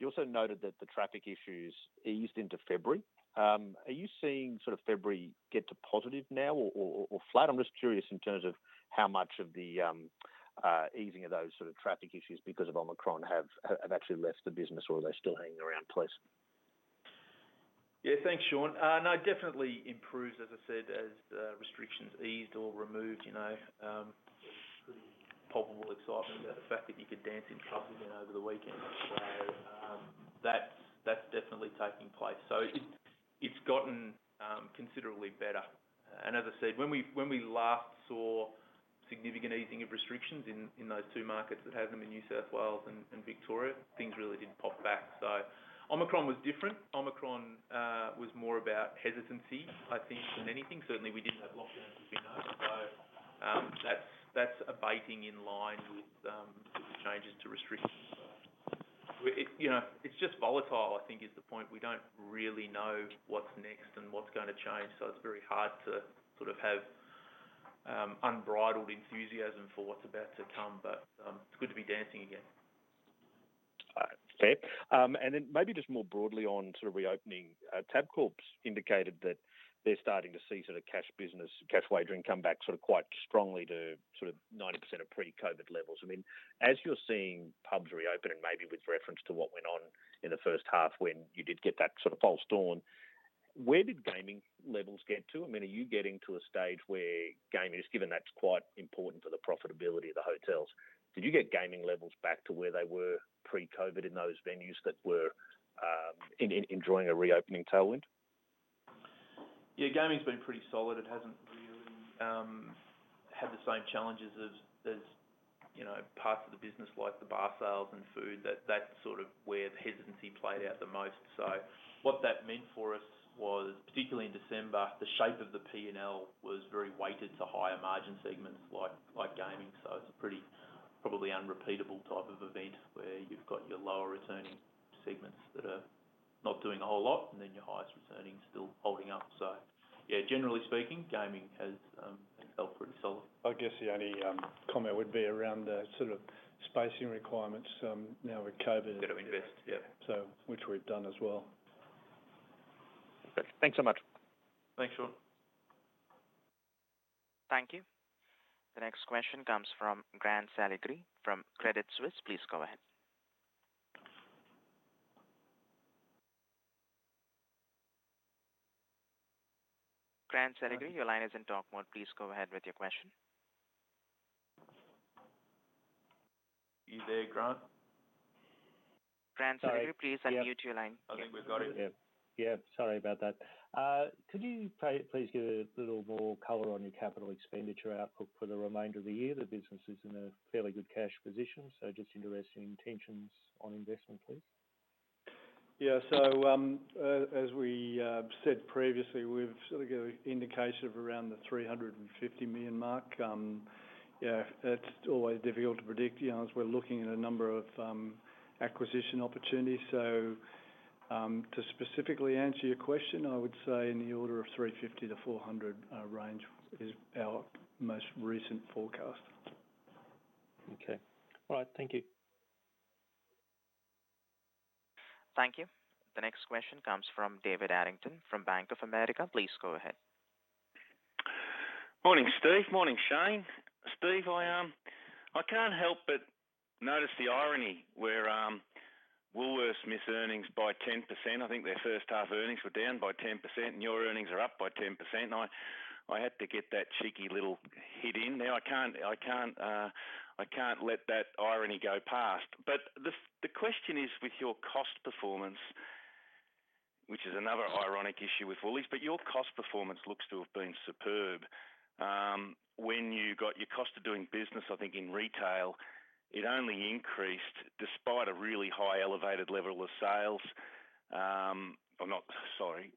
You also noted that the traffic issues eased into February. Are you seeing sort of February get to positive now or flat? I'm just curious in terms of how much of the easing of those sort of traffic issues because of Omicron have actually left the business or are they still hanging around please? Yeah, thanks Shaun. No, definitely improved as I said as the restrictions eased or removed, you know. Pretty palpable excitement about the fact that you could dance in clubs again over the weekend and so on. That's definitely taking place. It's gotten considerably better. And as I said, when we last saw significant easing of restrictions in those two markets that had them in New South Wales and Victoria, things really did pop back. Omicron was different. Omicron was more about hesitancy, I think, than anything. Certainly, we didn't have lockdowns, as we know. That's abating in line with the changes to restrictions. It, you know, it's just volatile, I think is the point. We don't really know what's next and what's gonna change, so it's very hard to sort of have unbridled enthusiasm for what's about to come. It's good to be dancing again. Okay. Maybe just more broadly on sort of reopening, Tabcorp's indicated that they're starting to see sort of cash business, cash wagering come back sort of quite strongly to sort of 90% of pre-COVID levels. I mean, as you're seeing pubs reopening, maybe with reference to what went on in the first half when you did get that sort of false dawn, where did gaming levels get to? I mean, are you getting to a stage where gaming, just given that's quite important for the profitability of the hotels. Did you get gaming levels back to where they were pre-COVID in those venues that were enjoying a reopening tailwind? Yeah, gaming's been pretty solid. It hasn't really had the same challenges as, you know, parts of the business like the bar sales and food, that's sort of where the hesitancy played out the most. What that meant for us was, particularly in December, the shape of the P&L was very weighted to higher margin segments like gaming. It's a pretty probably unrepeatable type of event where you've got your lower returning segments that are not doing a whole lot, and then your highest returning still holding up. Yeah, generally speaking, gaming has held pretty solid. I guess the only comment would be around the sort of spacing requirements now with COVID- Bit of interest, yeah. which we've done as well. Great. Thanks so much. Thanks, Shaun. Thank you. The next question comes from Grant Saligari from Credit Suisse. Please go ahead. Grant Saligari, your line is in talk mode. Please go ahead with your question. You there, Grant? Grant Saligari Sorry. Please unmute your line. I think we've got it. Yeah. Yeah, sorry about that. Could you please give a little more color on your capital expenditure outlook for the remainder of the year? The business is in a fairly good cash position, so just interested in intentions on investment, please. As we said previously, we've sort of given an indication of around 350 million mark. Yeah, it's always difficult to predict, you know, as we're looking at a number of acquisition opportunities. To specifically answer your question, I would say in the order of 350-400 million range is our most recent forecast. Okay. All right. Thank you. Thank you. The next question comes from David Errington from Bank of America. Please go ahead. Morning, Steve. Morning, Shane. Steve, I can't help but notice the irony where Woolworths missed earnings by 10%. I think their first half earnings were down by 10%, and your earnings are up by 10%. I had to get that cheeky little hit in there. I can't let that irony go past. The question is with your cost performance, which is another ironic issue with Woolies, but your cost performance looks to have been superb. When you got your cost of doing business, I think in retail, it only increased despite a really high elevated level of sales or not, sorry,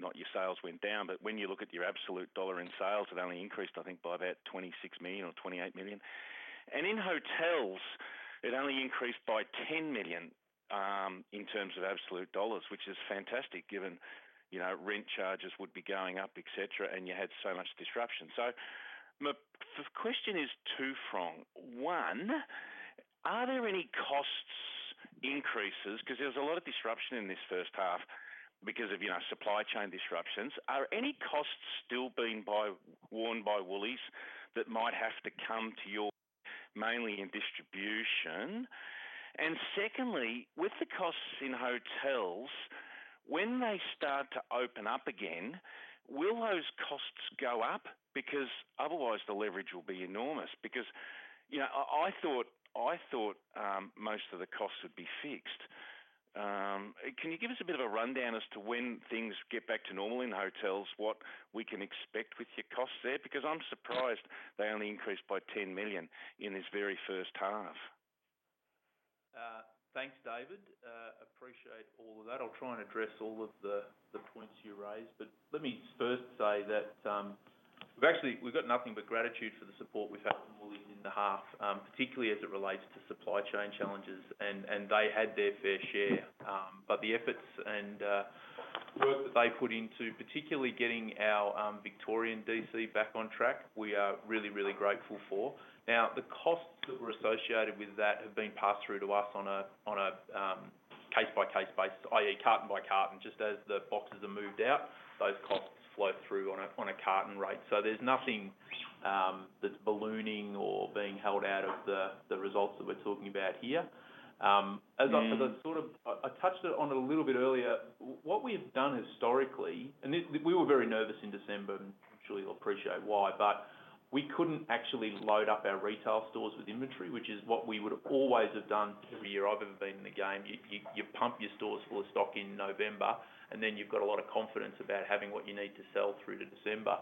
not your sales went down. When you look at your absolute dollar in sales, it only increased, I think by about 26 million or 28 million. In hotels, it only increased by 10 million in terms of absolute dollars, which is fantastic given, you know, rent charges would be going up, et cetera, and you had so much disruption. The question is two-pronged. One, are there any cost increases? 'Cause there was a lot of disruption in this first half because of, you know, supply chain disruptions. Are any costs still being borne by Woolies that might have to come to you mainly in distribution and secondly, with the costs in hotels, when they start to open up again, will those costs go up? Because otherwise the leverage will be enormous because, you know, I thought most of the costs would be fixed. Can you give us a bit of a rundown as to when things get back to normal in hotels, what we can expect with your costs there because I'm surprised they only increased by 10 million in this very first half? Thanks, David. Appreciate all of that. I'll try and address all of the points you raised. Let me first say that we've got nothing but gratitude for the support we've had from Woolies in the half, particularly as it relates to supply chain challenges, and they had their fair share. The efforts and work that they put into particularly getting our Victorian DC back on track, we are really grateful for. Now, the costs that were associated with that have been passed through to us on a case-by-case basis, i.e., carton by carton. Just as the boxes are moved out, those costs flow through on a carton rate. So there's nothing that's ballooning or being held out of the results that we're talking about here. As I said, I touched on it a little bit earlier. What we have done historically, we were very nervous in December, and I'm sure you'll appreciate why. But we couldn't actually load up our retail stores with inventory, which is what we would always have done every year I've ever been in the game. You pump your stores full of stock in November, and then you've got a lot of confidence about having what you need to sell through to December.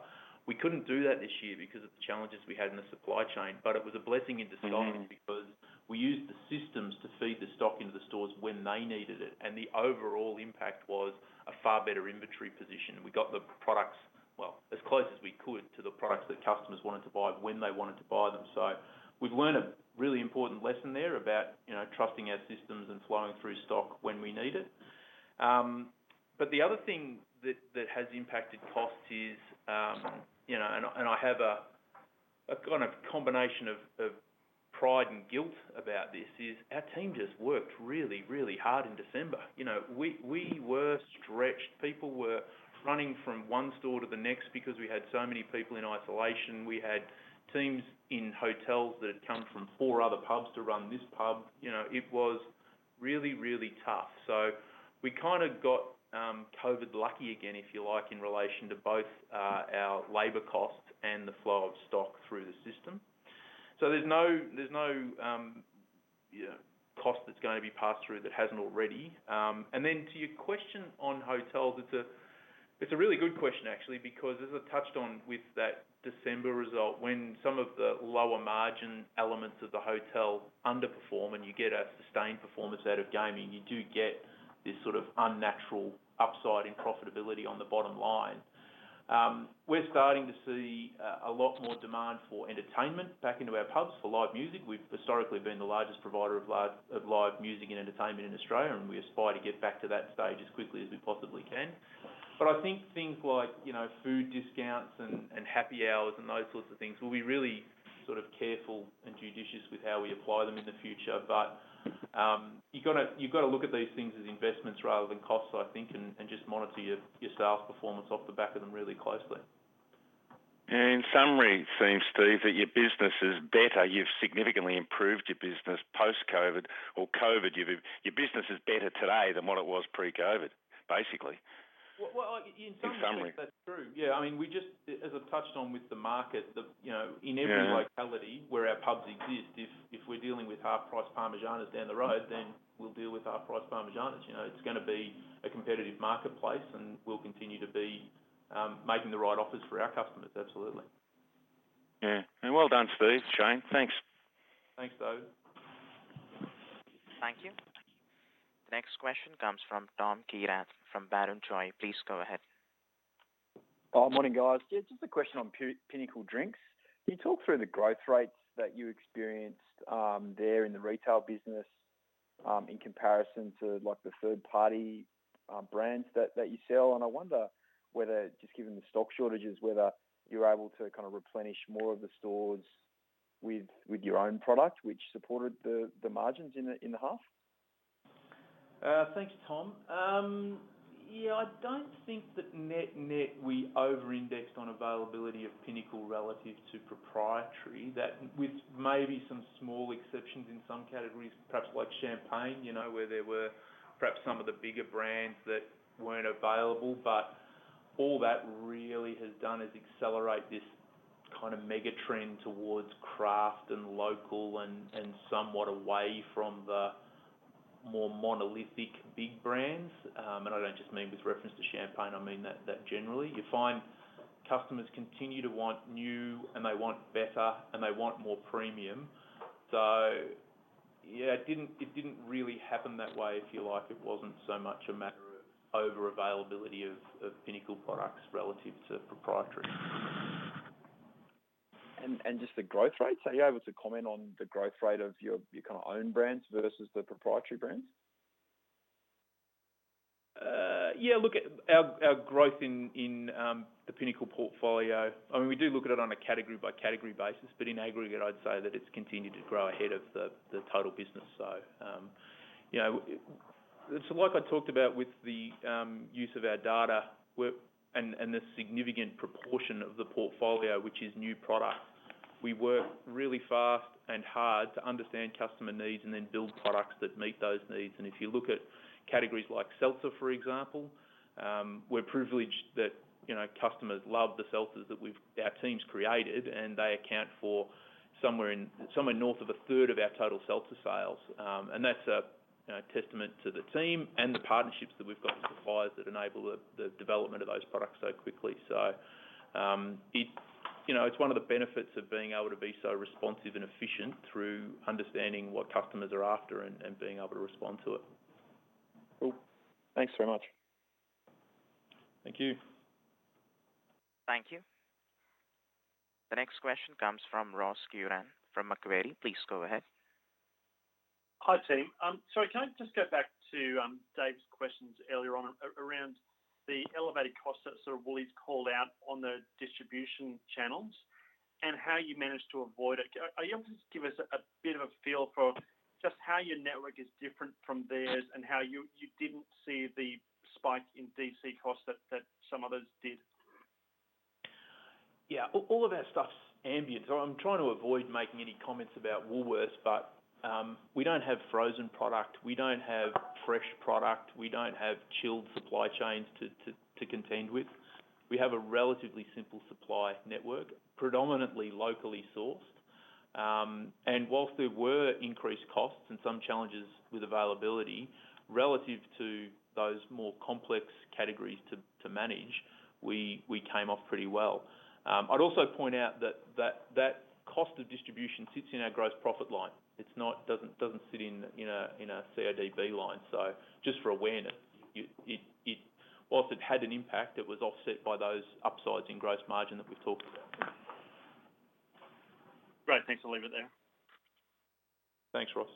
We couldn't do that this year because of the challenges we had in the supply chain, but it was a blessing in disguise because we used the systems to feed the stock into the stores when they needed it, and the overall impact was a far better inventory position. We got the products, well, as close as we could to the products that customers wanted to buy when they wanted to buy them. We've learned a really important lesson there about, you know, trusting our systems and flowing through stock when we need it. But the other thing that has impacted costs is, you know, and I have a kind of combination of pride and guilt about this is our team just worked really, really hard in December. You know, we were stretched. People were running from one store to the next because we had so many people in isolation. We had teams in hotels that had come from four other pubs to run this pub. You know, it was really, really tough. We kinda got COVID lucky again, if you like, in relation to both our labor costs and the flow of stock through the system. There's no cost that's gonna be passed through that hasn't already. Then to your question on hotels, it's a really good question actually because as I touched on with that December result, when some of the lower margin elements of the hotel underperform and you get a sustained performance out of gaming, you do get this sort of unnatural upside in profitability on the bottom line. We're starting to see a lot more demand for entertainment back into our pubs for live music. We've historically been the largest provider of live music and entertainment in Australia, and we aspire to get back to that stage as quickly as we possibly can. I think things like, you know, food discounts and happy hours and those sorts of things, we'll be really sort of careful and judicious with how we apply them in the future. You've gotta look at these things as investments rather than costs, I think, and just monitor your sales performance off the back of them really closely. In summary, it seems, Steve, that your business is better. You've significantly improved your business post-COVID or COVID. Your business is better today than what it was pre-COVID, basically. Well, like in some ways. In summary. That's true. Yeah. I mean, we just, as I've touched on with the market, the, you know- Yeah In every locality where our pubs exist, if we're dealing with half-price parmas down the road, then we'll deal with half-price parmas. You know, it's gonna be a competitive marketplace, and we'll continue to be making the right offers for our customers. Absolutely. Yeah. Well done, Steve, Shane. Thanks. Thanks, David. Thank you. The next question comes from Tom Kierath from Barrenjoey. Please go ahead. Oh, morning, guys. Yeah, just a question on Pinnacle Drinks. Can you talk through the growth rates that you experienced there in the retail business in comparison to, like, the third-party brands that you sell? I wonder whether, just given the stock shortages, whether you're able to kind of replenish more of the stores with your own product, which supported the margins in the half. Thanks, Tom. Yeah, I don't think that net-net we over-indexed on availability of Pinnacle relative to proprietary. With maybe some small exceptions in some categories, perhaps like champagne, you know, where there were perhaps some of the bigger brands that weren't available. All that really has done is accelerate this kinda mega trend towards craft and local, and somewhat away from the more monolithic big brands. I don't just mean with reference to champagne, I mean that generally. You find customers continue to want new, and they want better, and they want more premium. Yeah, it didn't really happen that way, if you like. It wasn't so much a matter of over-availability of Pinnacle products relative to proprietary. Just the growth rates. Are you able to comment on the growth rate of your kinda own brands versus the proprietary brands? Yeah. Look, our growth in the Pinnacle portfolio, I mean, we do look at it on a category-by-category basis, but in aggregate, I'd say that it's continued to grow ahead of the total business. You know, like I talked about with the use of our data and the significant proportion of the portfolio, which is new product, we work really fast and hard to understand customer needs and then build products that meet those needs. If you look at categories like seltzer, for example, we're privileged that, you know, customers love the seltzers that our teams created, and they account for somewhere north of a third of our total seltzer sales. That's a you know testament to the team and the partnerships that we've got with suppliers that enable the development of those products so quickly. It's one of the benefits of being able to be so responsive and efficient through understanding what customers are after and being able to respond to it. Cool. Thanks very much. Thank you. Thank you. The next question comes from Ross Curran from Macquarie. Please go ahead. Hi, team. Sorry, can I just go back to Dave's questions earlier on around the elevated costs that sort of Woolies called out on the distribution channels and how you managed to avoid it. Are you able to just give us a bit of a feel for just how your network is different from theirs and how you didn't see the spike in DC costs that some others did? Yeah. All of our stuff's ambient. I'm trying to avoid making any comments about Woolworths, but we don't have frozen product, we don't have fresh product, we don't have chilled supply chains to contend with. We have a relatively simple supply network, predominantly locally sourced. While there were increased costs and some challenges with availability, relative to those more complex categories to manage, we came off pretty well. I'd also point out that cost of distribution sits in our gross profit line. It's not. It doesn't sit in a CODB line. Just for awareness. While it had an impact, it was offset by those upsides in gross margin that we've talked about. Great. I think I'll leave it there. Thanks, Ross.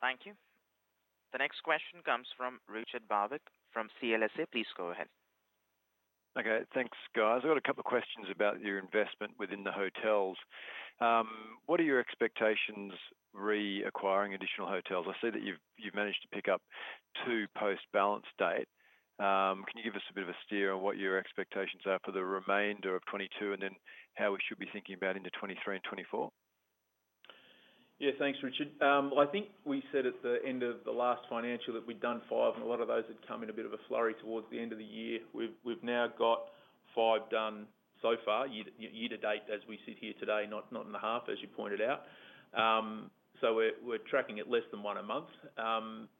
Thank you. The next question comes from Richard Barwick from CLSA. Please go ahead. Okay. Thanks, guys. I've got a couple questions about your investment within the hotels. What are your expectations regarding acquiring additional hotels? I see that you've managed to pick up two post balance date. Can you give us a bit of a steer on what your expectations are for the remainder of 2022, and then how we should be thinking about into 2023 and 2024? Yeah. Thanks, Richard. Well, I think we said at the end of the last financial that we'd done five, and a lot of those had come in a bit of a flurry towards the end of the year. We've now got five done so far year-to-date as we sit here today, not in the half, as you pointed out. So we're tracking at less than one a month.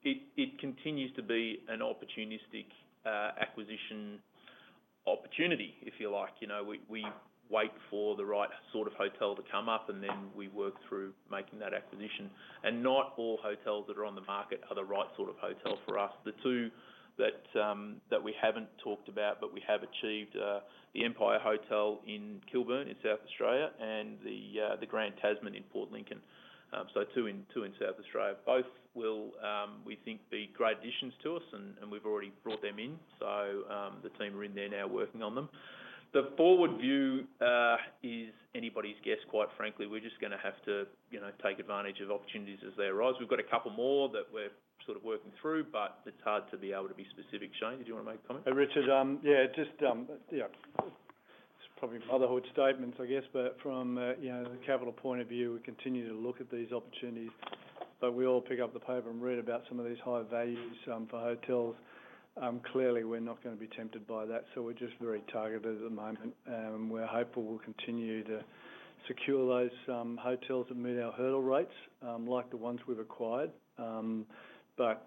It continues to be an opportunistic acquisition opportunity, if you like. You know, we wait for the right sort of hotel to come up, and then we work through making that acquisition. Not all hotels that are on the market are the right sort of hotel for us. The two that we haven't talked about but we have achieved, the Empire Hotel in Kilburn, in South Australia, and the Grand Tasman in Port Lincoln. So two in South Australia. Both will, we think, be great additions to us and we've already brought them in, so the team are in there now working on them. The forward view is anybody's guess, quite frankly. We're just gonna have to, you know, take advantage of opportunities as they arise. We've got a couple more that we're sort of working through, but it's hard to be able to be specific. Shane, did you wanna make a comment? Richard, yeah. It's probably motherhood statements, I guess, but from, you know, the capital point of view, we continue to look at these opportunities. We all pick up the paper and read about some of these high values for hotels. Clearly we're not gonna be tempted by that, so we're just very targeted at the moment. We're hopeful we'll continue to secure those hotels that meet our hurdle rates, like the ones we've acquired.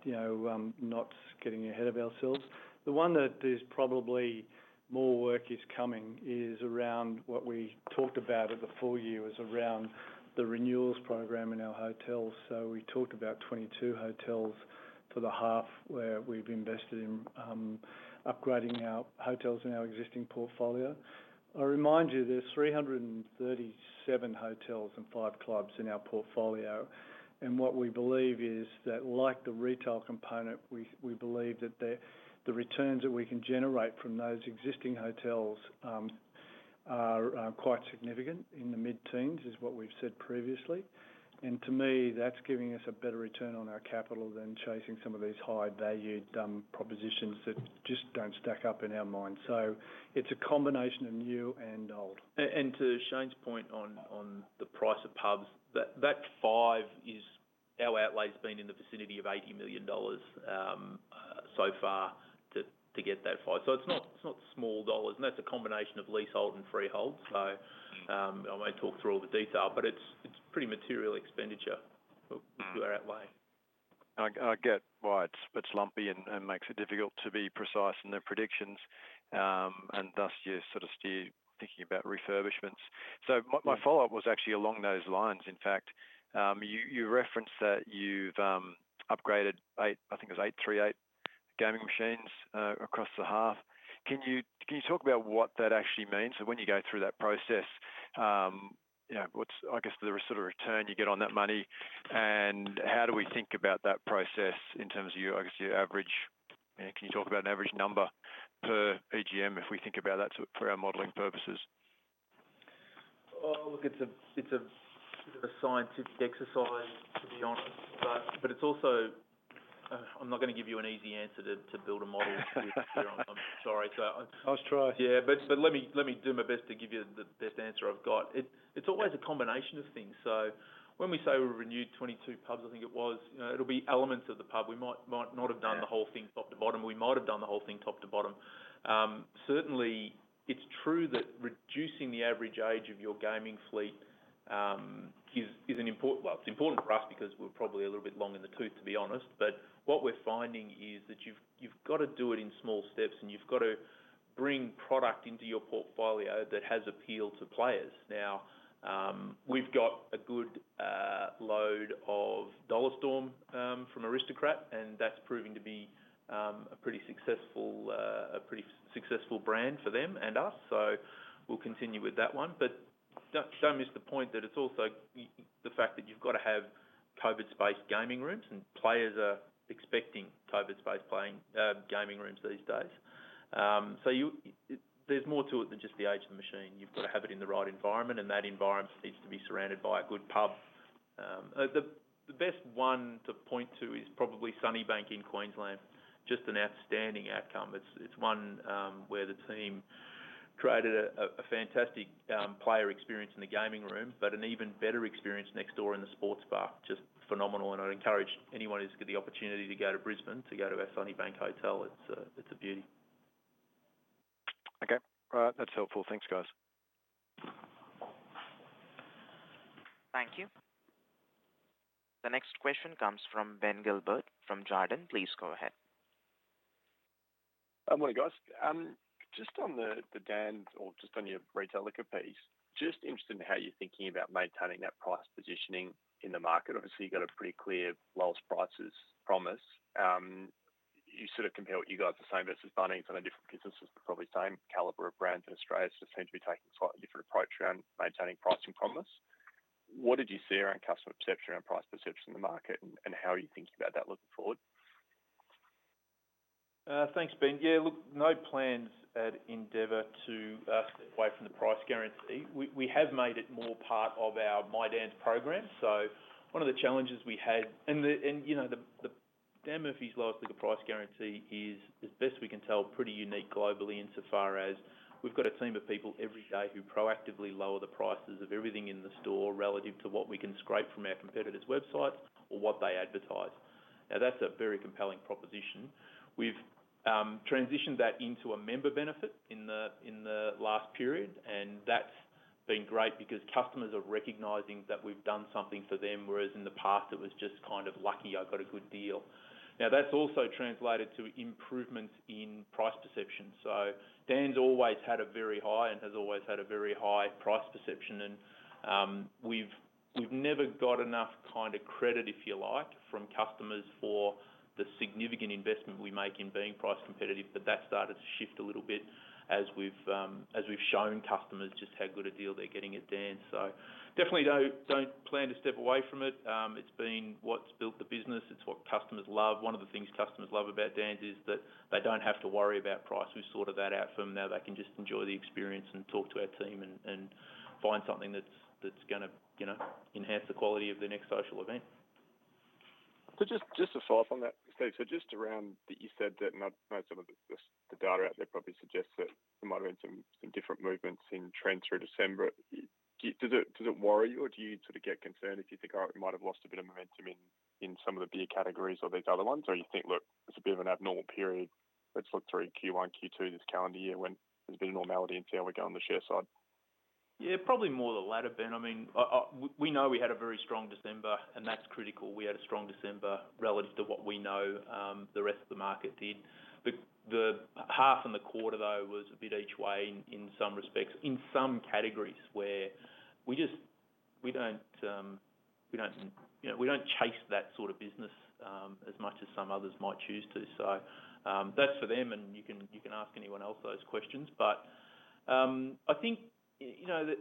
You know, not getting ahead of ourselves. The one that there's probably more work is coming is around what we talked about at the full year, is around the renewals program in our hotels. We talked about 22 hotels for the half where we've invested in upgrading our hotels in our existing portfolio. I remind you, there's 337 hotels and five clubs in our portfolio. What we believe is that, like the retail component, we believe that the returns that we can generate from those existing hotels are quite significant, in the mid-teens is what we've said previously. To me, that's giving us a better return on our capital than chasing some of these high value propositions that just don't stack up in our minds. It's a combination of new and old. To Shane's point on the price of pubs, that five is our outlay's been in the vicinity of 80 million dollars so far to get that five. It's not small dollars, and that's a combination of leasehold and freehold. I won't talk through all the detail, but it's pretty material expenditure we outlay. I get why it's lumpy and makes it difficult to be precise in the predictions, and thus you sort of steer thinking about refurbishments. My follow-up was actually along those lines, in fact. You referenced that you've upgraded 838 gaming machines across the half. Can you talk about what that actually means? When you go through that process, you know, what's, I guess, the sort of return you get on that money, and how do we think about that process in terms of your average. Can you talk about an average number per EGM, if we think about that for our modeling purposes? Oh, look, it's a scientific exercise, to be honest. It's also. I'm not gonna give you an easy answer to build a model. I'm sorry. I was trying. Yeah. Let me do my best to give you the best answer I've got. It's always a combination of things. When we say we renewed 22 pubs, I think it was, you know, it'll be elements of the pub. We might not have done the whole thing top to bottom. We might have done the whole thing top to bottom. Certainly it's true that reducing the average age of your gaming fleet is important for us because we're probably a little bit long in the tooth, to be honest. What we're finding is that you've got to do it in small steps, and you've got to bring product into your portfolio that has appeal to players. Now, we've got a good load of Dollar Storm from Aristocrat, and that's proving to be a pretty successful brand for them and us. We'll continue with that one. Don't miss the point that it's also the fact that you've got to have COVID-spaced gaming rooms, and players are expecting COVID-spaced playing gaming rooms these days. There's more to it than just the age of the machine. You've got to have it in the right environment, and that environment needs to be surrounded by a good pub. The best one to point to is probably Sunnybank in Queensland. Just an outstanding outcome. It's one where the team created a fantastic player experience in the gaming room, but an even better experience next door in the sports bar. Just phenomenal, and I'd encourage anyone who's got the opportunity to go to Brisbane to go to our Sunnybank hotel. It's a beauty. Okay. All right. That's helpful. Thanks, guys. Thank you. The next question comes from Ben Gilbert from Jarden. Please go ahead. Good morning, guys. Just on the Dan's or just on your retail liquor piece, just interested in how you're thinking about maintaining that price positioning in the market. Obviously, you've got a pretty clear lowest prices promise. You sort of compare what you guys are saying versus Bunnings on a different business. It's probably same caliber of brands, and Australia just seems to be taking a slightly different approach around maintaining pricing promise. What did you see around customer perception, around price perception in the market, and how are you thinking about that looking forward? Thanks, Ben. Yeah, look, no plans at Endeavour to step away from the price guarantee. We have made it more part of our My Dan's program. One of the challenges we had, and you know, the Dan Murphy's lowest liquor price guarantee is, as best we can tell, pretty unique globally insofar as we've got a team of people every day who proactively lower the prices of everything in the store relative to what we can scrape from our competitors' websites or what they advertise. Now, that's a very compelling proposition. We've transitioned that into a member benefit in the last period, and that's been great because customers are recognizing that we've done something for them, whereas in the past it was just kind of lucky I got a good deal. Now, that's also translated to improvements in price perception. Dan's always had a very high price perception and we've never got enough kind of credit, if you like, from customers for the significant investment we make in being price competitive, but that started to shift a little bit as we've shown customers just how good a deal they're getting at Dan's. Definitely don't plan to step away from it. It's been what's built the business. It's what customers love. One of the things customers love about Dan's is that they don't have to worry about price. We've sorted that out for them. Now they can just enjoy the experience and talk to our team and find something that's gonna, you know, enhance the quality of their next social event. Just to follow up on that, Steve. Just around that you said that, and I know some of the data out there probably suggests that there might've been some different movements in trends through December. Does it worry you or do you sort of get concerned if you think, "Oh, we might have lost a bit of momentum in some of the beer categories or these other ones?" Or you think, "Look, it's a bit of an abnormal period. Let's look through Q1, Q2 this calendar year when there's a bit of normality and see how we go on the share side? Yeah, probably more the latter, Ben. I mean, we know we had a very strong December, and that's critical. We had a strong December relative to what we know, the rest of the market did. The half and the quarter though was a bit each way in some respects, in some categories where we don't, you know, we don't chase that sort of business as much as some others might choose to. That's for them and you can ask anyone else those questions. I think you know that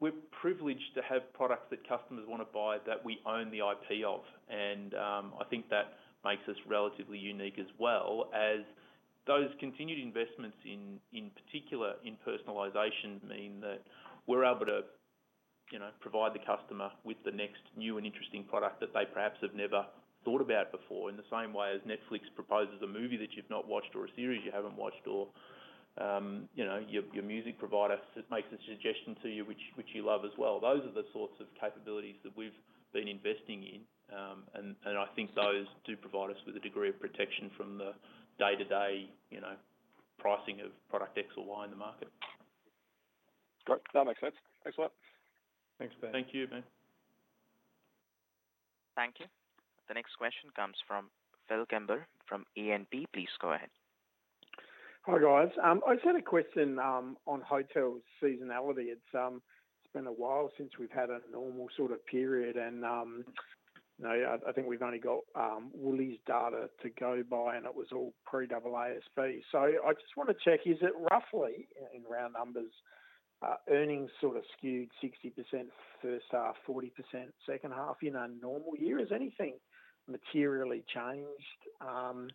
we're privileged to have products that customers wanna buy that we own the IP of. I think that makes us relatively unique as well as those continued investments in particular in personalization mean that we're able to you know provide the customer with the next new and interesting product that they perhaps have never thought about before. In the same way as Netflix proposes a movie that you've not watched or a series you haven't watched or you know your music provider makes a suggestion to you which you love as well. Those are the sorts of capabilities that we've been investing in, and I think those do provide us with a degree of protection from the day-to-day, you know, pricing of product X or Y in the market. Great. That makes sense. Thanks a lot. Thanks, Ben. Thank you, Ben. Thank you. The next question comes from Phil Kimber from E&P. Please go ahead. Hi, guys. I just had a question on hotel seasonality. It's been a while since we've had a normal sort of period and, you know, I think we've only got Woolies data to go by, and it was all pre-AASB. So I just wanna check, is it roughly, in round numbers, earnings sort of skewed 60% first half, 40% second half in a normal year? Has anything materially changed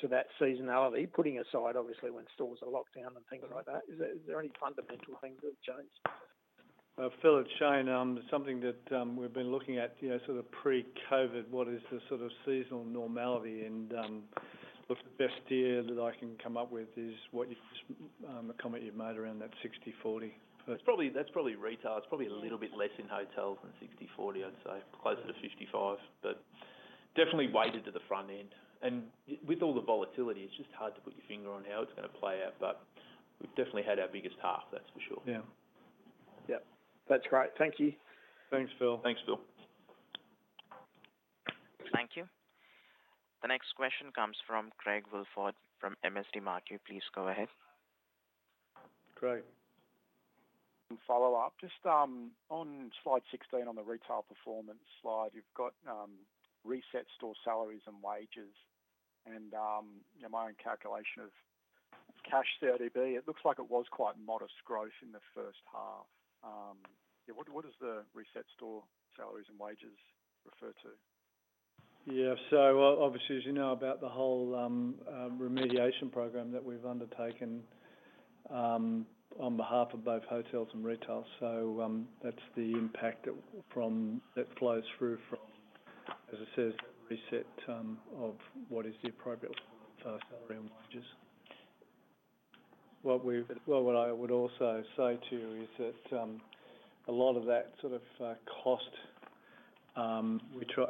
to that seasonality, putting aside obviously when stores are locked down and things like that? Is there any fundamental things that have changed? Phil, it's Shane. Something that we've been looking at, you know, sort of pre-COVID, what is the sort of seasonal normality and the best year that I can come up with is what you've just, a comment you've made around that 60/40 first- That's probably retail. It's probably a little bit less in hotel than 60/40, I'd say. Closer to 55, but definitely weighted to the front end. With all the volatility, it's just hard to put your finger on how it's gonna play out, but we've definitely had our biggest half, that's for sure. Yeah. Yep. That's great. Thank you. Thanks, Phil. Thanks, Phil. Thank you. The next question comes from Craig Woolford from MST Marquee. Please go ahead. Craig. A follow-up. Just on Slide 16 on the retail performance slide, you've got reset store salaries and wages and, you know, my own calculation of cash CODB. It looks like it was quite modest growth in the first half. Yeah, what does the reset store salaries and wages refer to? Yeah. Obviously, as you know about the whole remediation program that we've undertaken on behalf of both hotels and retail. That's the impact that flows through from, as I said, reset of what is the appropriate level of salary and wages. Well, what I would also say to you is that a lot of that sort of cost.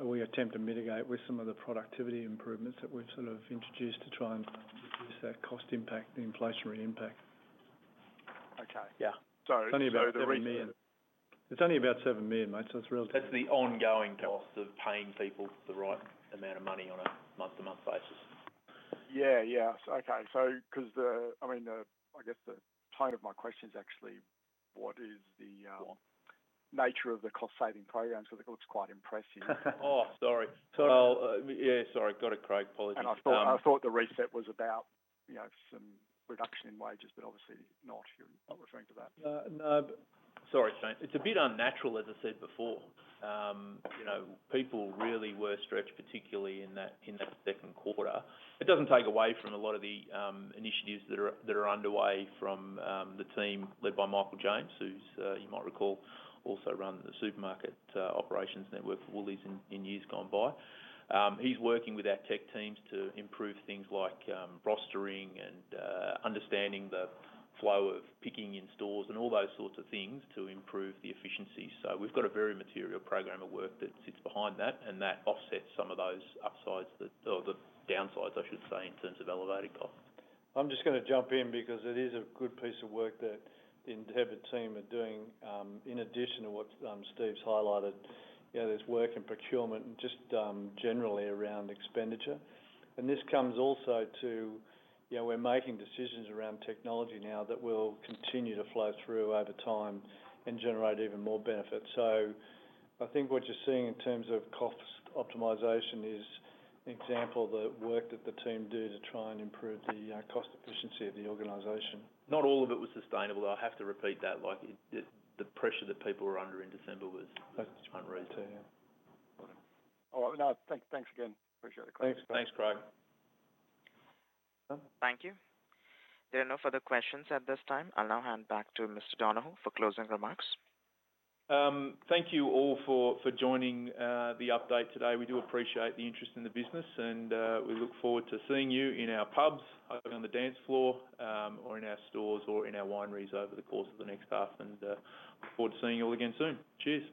We attempt to mitigate with some of the productivity improvements that we've sort of introduced to try and reduce that cost impact, the inflationary impact. Okay. Yeah. The reason- It's only about 7 million, mate, so it's relative. That's the ongoing cost of paying people the right amount of money on a month-to-month basis. Yeah. Yeah. Okay. 'Cause, I mean, the tone of my question is actually what is the nature of the cost-saving program? It looks quite impressive. Oh, sorry. Yeah, sorry. Got it, Craig. Apologies. I thought the reset was about, you know, some reduction in wages, but obviously not. You're not referring to that. No, no. Sorry, Shane. It's a bit unnatural, as I said before. You know, people really were stretched, particularly in that second quarter. It doesn't take away from a lot of the initiatives that are underway from the team led by Michael James, who's, you might recall, also ran the supermarket operations network for Woolies in years gone by. He's working with our tech teams to improve things like rostering and understanding the flow of picking in stores and all those sorts of things to improve the efficiency. We've got a very material program of work that sits behind that, and that offsets some of those upsides that or the downsides, I should say, in terms of elevating costs. I'm just gonna jump in because it is a good piece of work that the Inthebit team are doing, in addition to what Steve's highlighted. You know, there's work in procurement and just generally around expenditure. This comes also to, you know, we're making decisions around technology now that will continue to flow through over time and generate even more benefit. I think what you're seeing in terms of cost optimization is an example of the work that the team do to try and improve the cost efficiency of the organization. Not all of it was sustainable, though. I have to repeat that. Like, the pressure that people were under in December was. That's right. -unreasonable. Oh, no. Thanks again. Appreciate it. Thanks. Thanks, Craig. Thank you. There are no further questions at this time. I'll now hand back to Mr. Donohue for closing remarks. Thank you all for joining the update today. We do appreciate the interest in the business, and we look forward to seeing you in our pubs, hopefully on the dance floor, or in our stores or in our wineries over the course of the next half. Look forward to seeing you all again soon. Cheers.